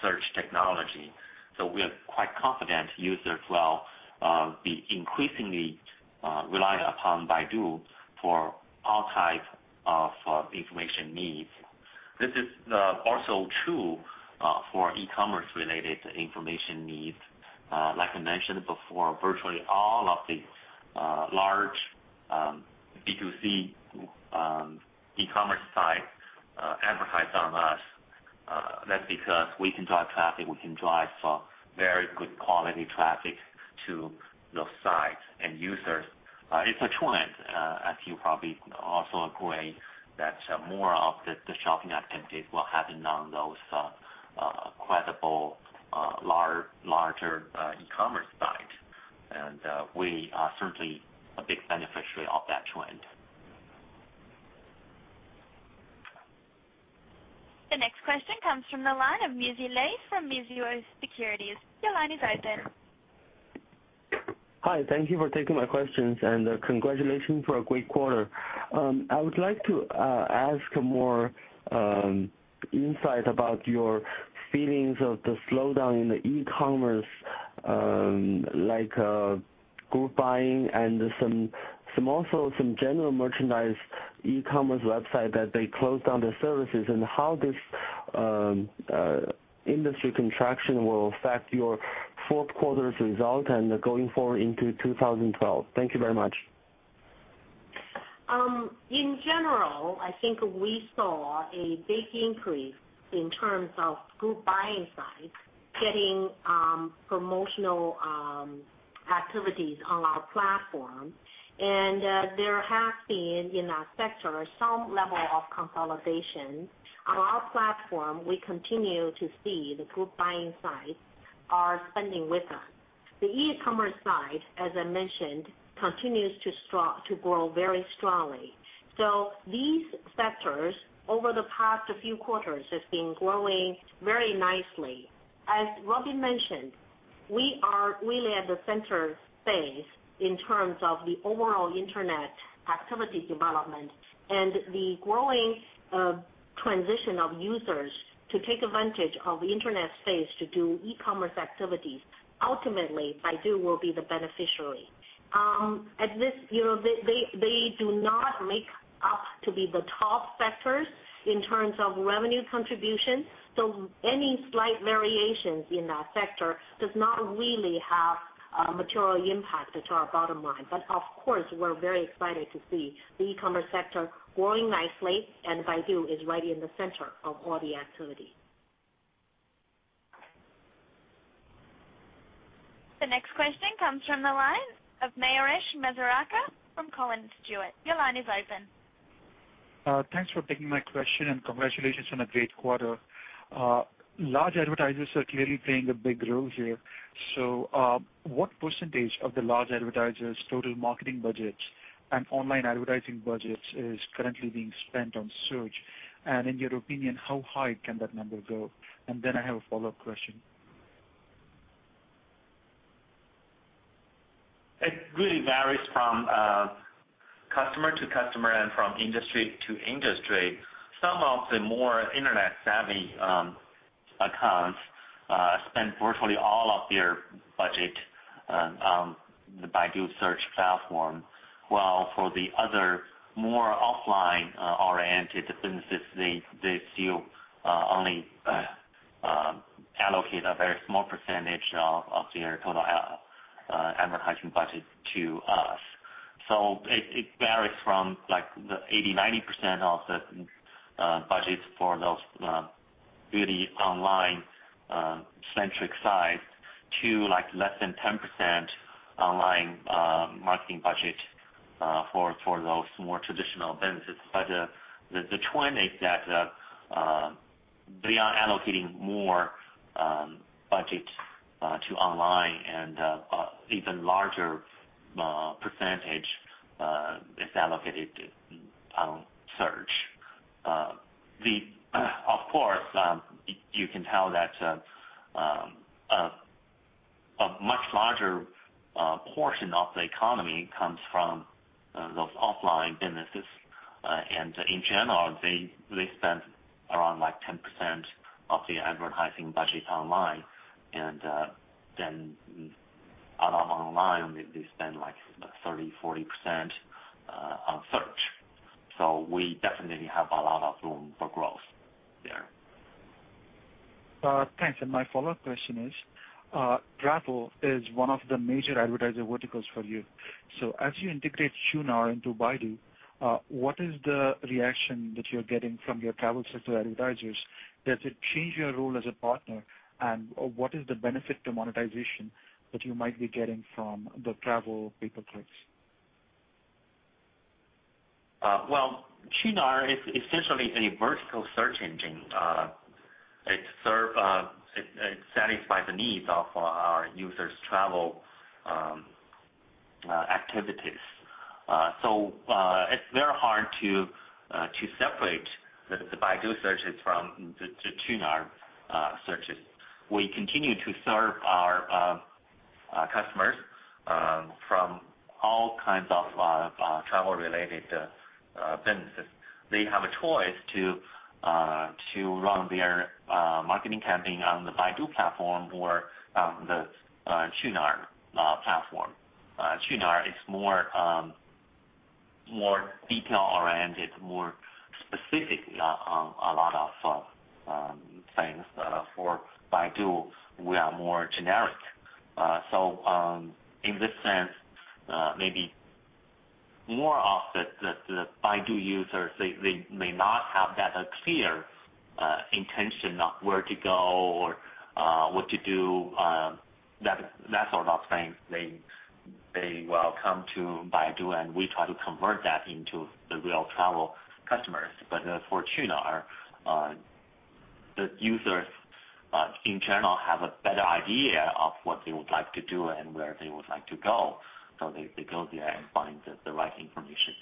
search technology, so we are quite confident users will be increasingly relying upon Baidu for all types of information needs. This is also true for e-commerce-related information needs. Like I mentioned before, virtually all of the large B2C e-commerce sites advertise on us. That's because we can drive traffic. We can drive very good quality traffic to those sites, and users, it's a trend, as you probably also agree, that more of the shopping activities will happen on those credible, larger e-commerce sites, and we are certainly a big beneficiary of that trend. The next question comes from the line of Muzhi Li from Mizuho Securities. Your line is open. Hi, thank you for taking my questions, and congratulations for a great quarter. I would like to ask more insight about your feelings of the slowdown in the e-commerce, like group buying and also some general merchandise e-commerce websites that they closed down their services, and how this industry contraction will affect your fourth quarter's result and going forward into 2012. Thank you very much. In general, I think we saw a big increase in terms of group buying sites getting promotional activities on our platform, and there has been, in our sector, some level of consolidation on our platform. We continue to see the group buying sites are spending with us. The e-commerce side, as I mentioned, continues to grow very strongly. These sectors over the past few quarters have been growing very nicely. As Robin mentioned, we are really at the center stage in terms of the overall internet activity development and the growing transition of users to take advantage of the internet space to do e-commerce activities. Ultimately, Baidu will be the beneficiary. At this, you know, they do not make up to be the top sectors in terms of revenue contribution, so any slight variations in that sector do not really have a material impact to our bottom line. Of course, we're very excited to see the e-commerce sector growing nicely, and Baidu is right in the center of all the activity. The next question comes from the line of Mayuresh Masurekar from Collins Stewart. Your line is open. Thanks for taking my question, and congratulations on a great quarter. Large advertisers are clearly playing a big role here. What percentage of the large advertisers' total marketing budgets and online advertising budgets is currently being spent on search? In your opinion, how high can that number go? I have a follow-up question. It really varies from customer to customer and from industry to industry. Some of the more internet-savvy accounts spend virtually all of their budget on the Baidu Search platform, while for the other more offline-oriented businesses, they still only allocate a very small percentage of their total advertising budget to us. It varies from like the 80%, 90% of the budgets for those really online-centric sites to like less than 10% online marketing budget for those more traditional businesses. The trend is that they are allocating more budget to online, and an even larger percentage is allocated on search. Of course, you can tell that a much larger portion of the economy comes from those offline businesses, and in general, they spend around like 10% of the advertising budget online, and then out of online, they spend like 30%, 40% on search. We definitely have a lot of room for growth there. Thanks, and my follow-up question is, travel is one of the major advertising verticals for you. As you integrate Qunar into Baidu, what is the reaction that you're getting from your travel source to advertisers? Does it change your role as a partner, and what is the benefit to monetization that you might be getting from the travel paid per clicks? Qunar is essentially a vertical search engine. It satisfies the needs of our users' travel activities. It is very hard to separate the Baidu searches from the Qunar searches. We continue to serve our customers from all kinds of travel-related businesses. They have a choice to run their marketing campaign on the Baidu platform or the Qunar platform. Qunar is more detail-oriented, more specific on a lot of things. For Baidu, we are more generic. In this sense, maybe more of the Baidu users may not have that clear intention of where to go or what to do, that sort of thing. They will come to Baidu, and we try to convert that into the real travel customers. For Qunar, the users in general have a better idea of what they would like to do and where they would like to go, so they go there and find the right information.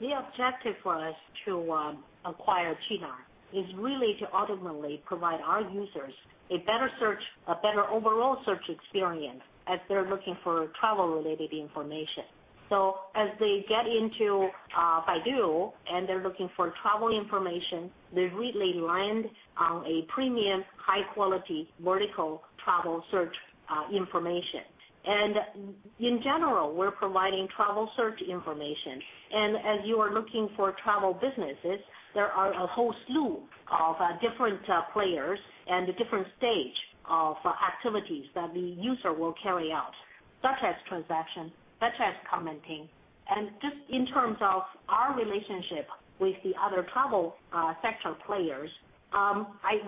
The objective for us to acquire Qunar is really to ultimately provide our users a better search, a better overall search experience as they're looking for travel-related information. As they get into Baidu and they're looking for travel information, they really land on a premium, high-quality vertical travel search information. In general, we're providing travel search information. As you are looking for travel businesses, there are a whole slew of different players and different stages of activities that the user will carry out, such as transaction, such as commenting. In terms of our relationship with the other travel sector players,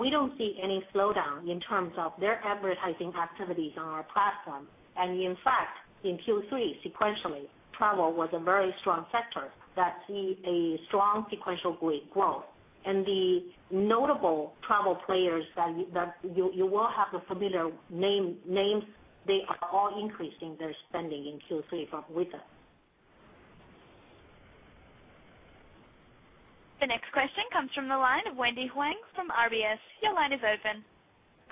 we don't see any slowdown in terms of their advertising activities on our platform. In fact, in Q3, sequentially, travel was a very strong sector that sees a strong sequential growth. The notable travel players that you will have a familiar name, they are all increasing their spending in Q3 with us. The next question comes from the line of Wendy Huang from RBS. Your line is open.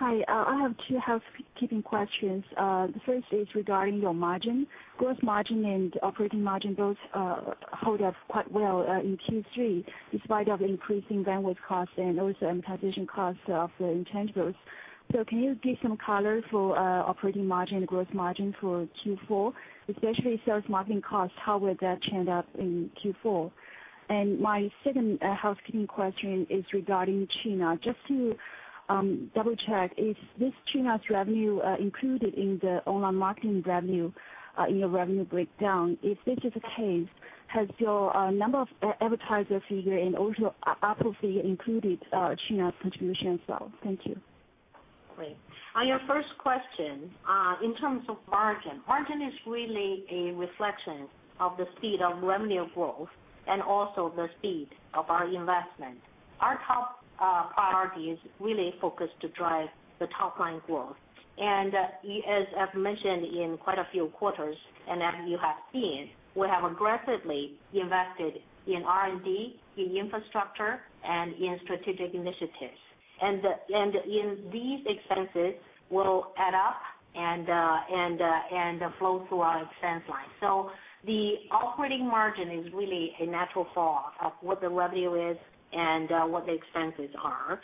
Hi, I have two housekeeping questions. The first is regarding your margin. Gross margin and operating margin both hold up quite well in Q3 in spite of increasing bandwidth costs and also amortization costs of the intangibles. Can you give some color for operating margin and gross margin for Q4, especially sales marketing costs? How would that change up in Q4? My second housekeeping question is regarding Qunar. Just to double-check, is this Qunar's revenue included in the online marketing revenue in your revenue breakdown? If this is the case, has your number of advertiser figure and also apples figure included Qunar's contribution as well? Thank you. Great. On your first question, in terms of margin, margin is really a reflection of the speed of revenue growth and also the speed of our investment. Our top priority is really focused to drive the top-line growth. As I've mentioned in quite a few quarters and that you have seen, we have aggressively invested in R&D, in infrastructure, and in strategic initiatives. These expenses will add up and flow through our expense line. The operating margin is really a natural fall of what the revenue is and what the expenses are.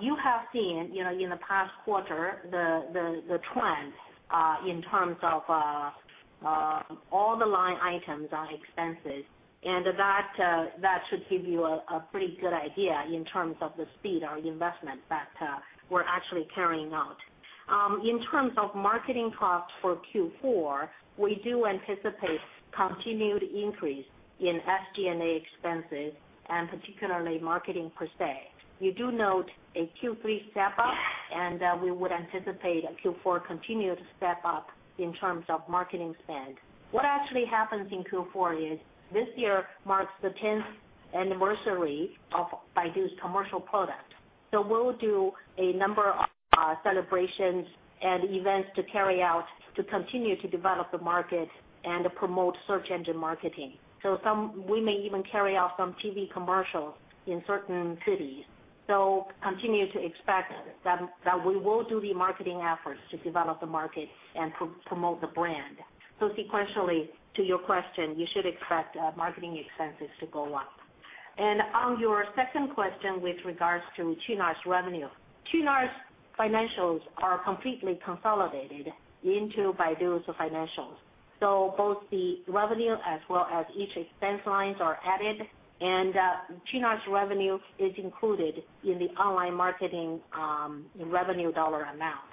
You have seen in the past quarter the trend in terms of all the line items are expenses, and that should give you a pretty good idea in terms of the speed of our investments that we're actually carrying out. In terms of marketing costs for Q4, we do anticipate a continued increase in SG&A expenses, and particularly marketing per se. You do note a Q3 step up, and we would anticipate a Q4 continued step up in terms of marketing spend. What actually happens in Q4 is this year marks the 10th anniversary of Baidu's commercial product. We will do a number of celebrations and events to carry out to continue to develop the market and promote search engine marketing. We may even carry out some TV commercials in certain cities. Continue to expect that we will do the marketing efforts to develop the market and promote the brand. Sequentially to your question, you should expect marketing expenses to go up. On your second question with regards to Qunar's revenue, Qunar's financials are completely consolidated into Baidu's financials. Both the revenue as well as each expense lines are added, and Qunar's revenue is included in the online marketing revenue dollar amount.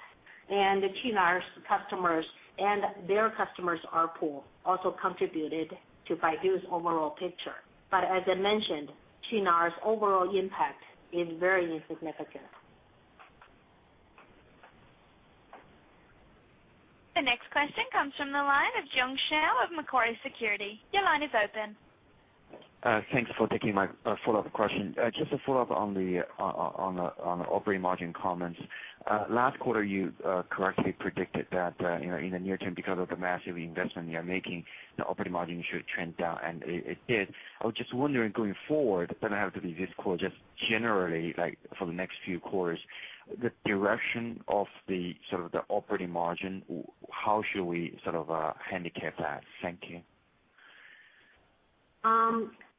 Qunar's customers and their customers' output also contributed to Baidu's overall picture. As I mentioned, Qunar's overall impact is very insignificant. The next question comes from the line of Jiong Shao of Macquarie Securities. Your line is open. Thank you for taking my follow-up question. Just to follow up on the operating margin comments, last quarter you correctly predicted that in the near term because of the massive investment you are making in operating. We Can shut Trend down and it did. I was just wondering, going forward, it doesn't have to be this quarter, just generally, like for the next few quarters, the direction of the sort of the operating margin, how should we sort of handicap that? Thank you.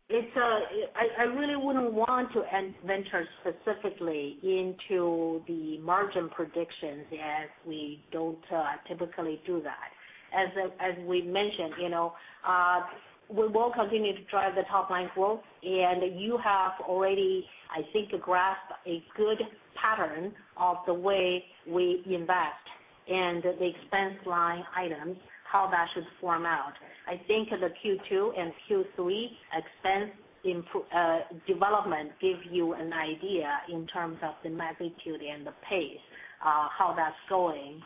I really wouldn't want to enter specifically into the margin predictions as we don't typically do that. As we mentioned, you know, we will continue to drive the top line growth, and you have already, I think, a graph, a good pattern of the way we invest and the expense line items, how that should form out. I think the Q2 and Q3 expense development gives you an idea in terms of the magnitude and the pace, how that's going.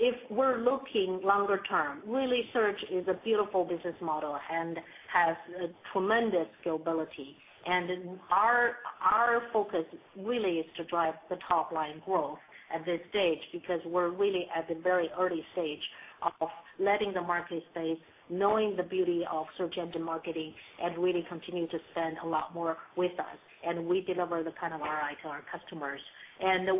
If we're looking longer term, really, search is a beautiful business model and has tremendous scalability. Our focus really is to drive the top line growth at this stage because we're really at the very early stage of letting the market stay, knowing the beauty of search engine marketing, and really continue to spend a lot more with us. We deliver the kind of ROI to our customers.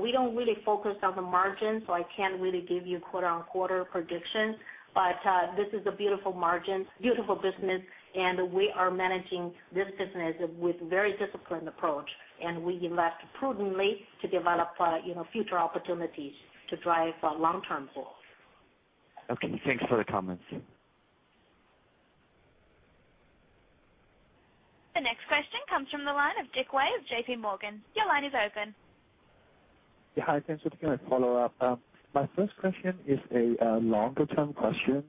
We don't really focus on the margin, so I can't really give you quarter-on-quarter predictions, but this is a beautiful margin, beautiful business, and we are managing this business with a very disciplined approach. We invest prudently to develop future opportunities to drive long-term growth. Okay, thanks for the comments. The next question comes from the line of Dick Wei of JPMorgan. Your line is open. Yeah. Hi. Thanks for taking my follow-up. My first question is a longer-term question.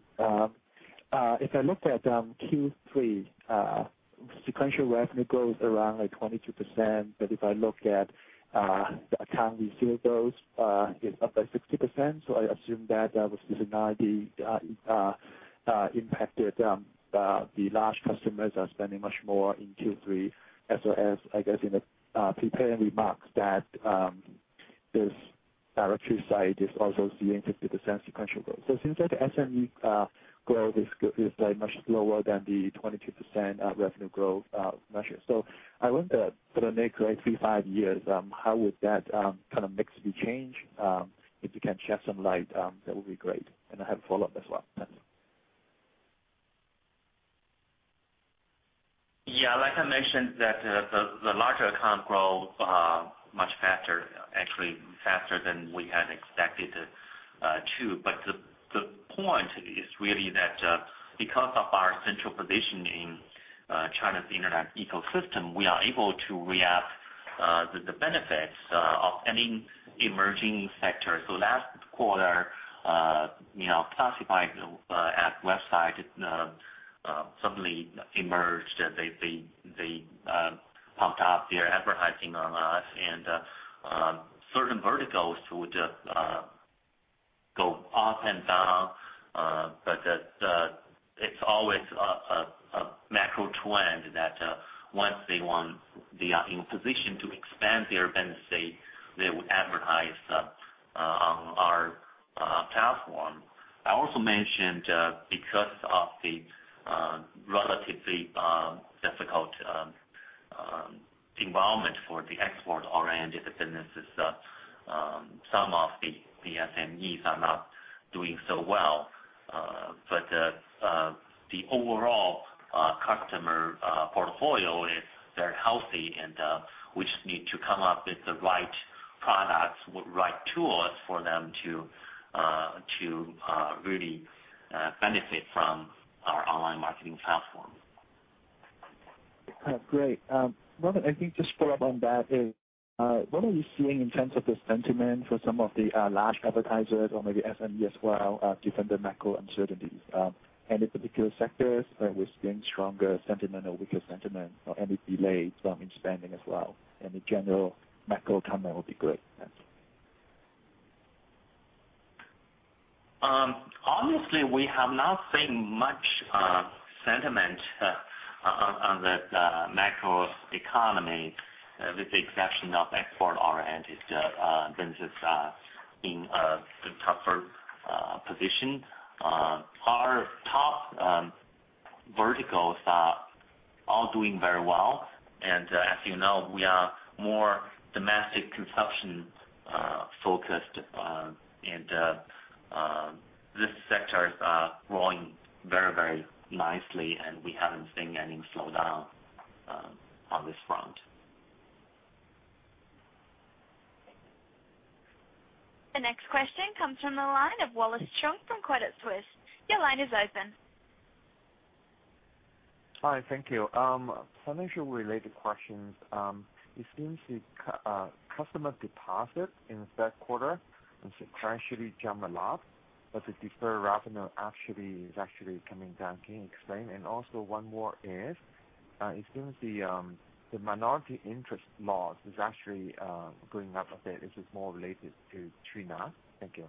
If I looked at Q3, sequential revenue growth around 22%, but if I look at the account residual, it's up by 60%. I assume that was just a 90 impacted the large customers are spending much more in Q3. I guess in the preparing remarks that this directory site is also seeing 50% sequential growth. It seems like the SME growth is very much lower than the 22% revenue growth measure. I wonder, for the next three to five years, how would that kind of mix be changed? If you can shed some light, that would be great. I have a follow-up as well. Thanks. Yeah. Like I mentioned, the large accounts grow much faster, actually, faster than we had expected too. The point is really that because of our central position in China's internet ecosystem, we are able to reap the benefits of any emerging sector. Last quarter, classified information websites suddenly emerged. They pumped up their advertising on us, and certain verticals would go up and down. It is always a macro trend that once they are in a position to expand their business, they would advertise on our platform. I also mentioned because of the relatively difficult environment for the export-oriented businesses, some of the SMEs are not doing so well. The overall customer portfolio is very healthy, and we just need to come up with the right products, with the right tools for them to really benefit from our online marketing platform. Got you. Great. Robin, I think just to follow up on that, what are you seeing in terms of the sentiment for some of the large advertisers or maybe SMEs as well given the macro uncertainties? Any particular sectors where we're seeing stronger sentiment or weaker sentiment, or any delay from expanding as well? Any general macro comment would be great. Honestly, we have not seen much sentiment on the macro economy, with the exception of export-oriented businesses in the tougher position. Our top verticals are all doing very well. As you know, we are more domestic consumption-focused, and this sector is growing very, very nicely. We haven't seen any slowdown on this front. The next question comes from the line of Wallace Cheung from Credit Suisse. Your line is open. Hi. Thank you. Some issue-related questions. It seems the customer deposit in the third quarter has substantially jumped a lot, but the deferred revenue actually is coming down. Can you explain? Also, one more is, it seems the minority interest loss is actually going up a bit. Is it more related to China? Thank you.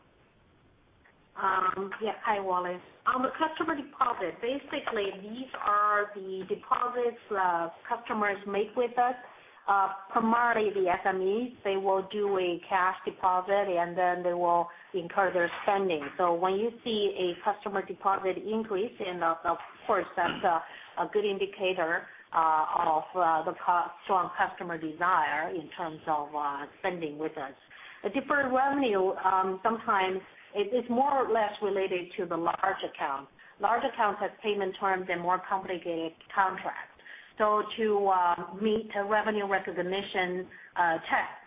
Yeah. Hi, Wallace. Customer deposit, basically, these are the deposits customers make with us. Primarily, the SMEs, they will do a cash deposit, and then they will incur their spending. When you see a customer deposit increase in the first, that's a good indicator of the strong customer desire in terms of spending with us. Deferred revenue, sometimes, it's more or less related to the large account. Large accounts have payment terms and more complicated contracts. To meet the revenue recognition test,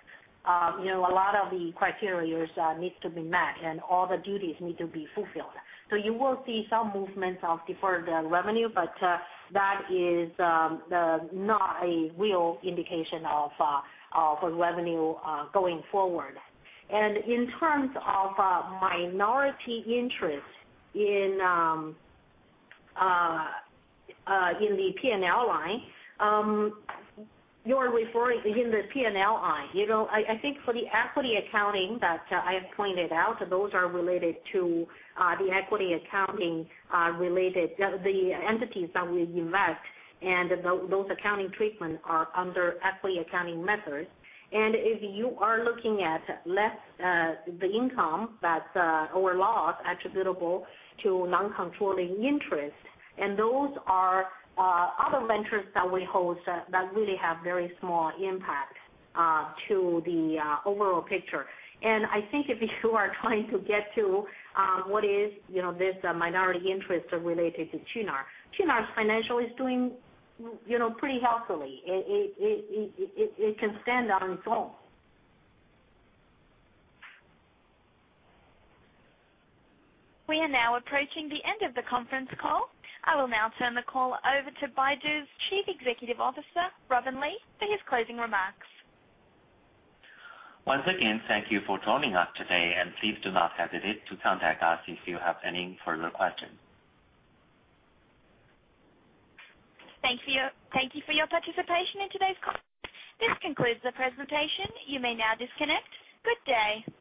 a lot of the criteria need to be met, and all the duties need to be fulfilled. You will see some movements of deferred revenue, but that is not a real indication of revenue going forward. In terms of minority interest in the P&L line, you're referring in the P&L line, I think for the equity accounting that I have pointed out, those are related to the equity accounting-related entities that we invest, and those accounting treatments are under equity accounting methods. If you are looking at less the income, that's overall loss attributable to non-controlling interest, and those are other ventures that we host that really have very small impact to the overall picture. I think if you are trying to get to what is this minority interest related to China, China's financial is doing pretty healthily. It can stand on its own. We are now approaching the end of the conference call. I will now turn the call over to Baidu's Chief Executive Officer, Robin Li, for his closing remarks. Once again, thank you for joining us today, and please do not hesitate to contact us if you have any further questions. Thank you for your participation in today's call. This concludes the presentation. You may now disconnect. Good day.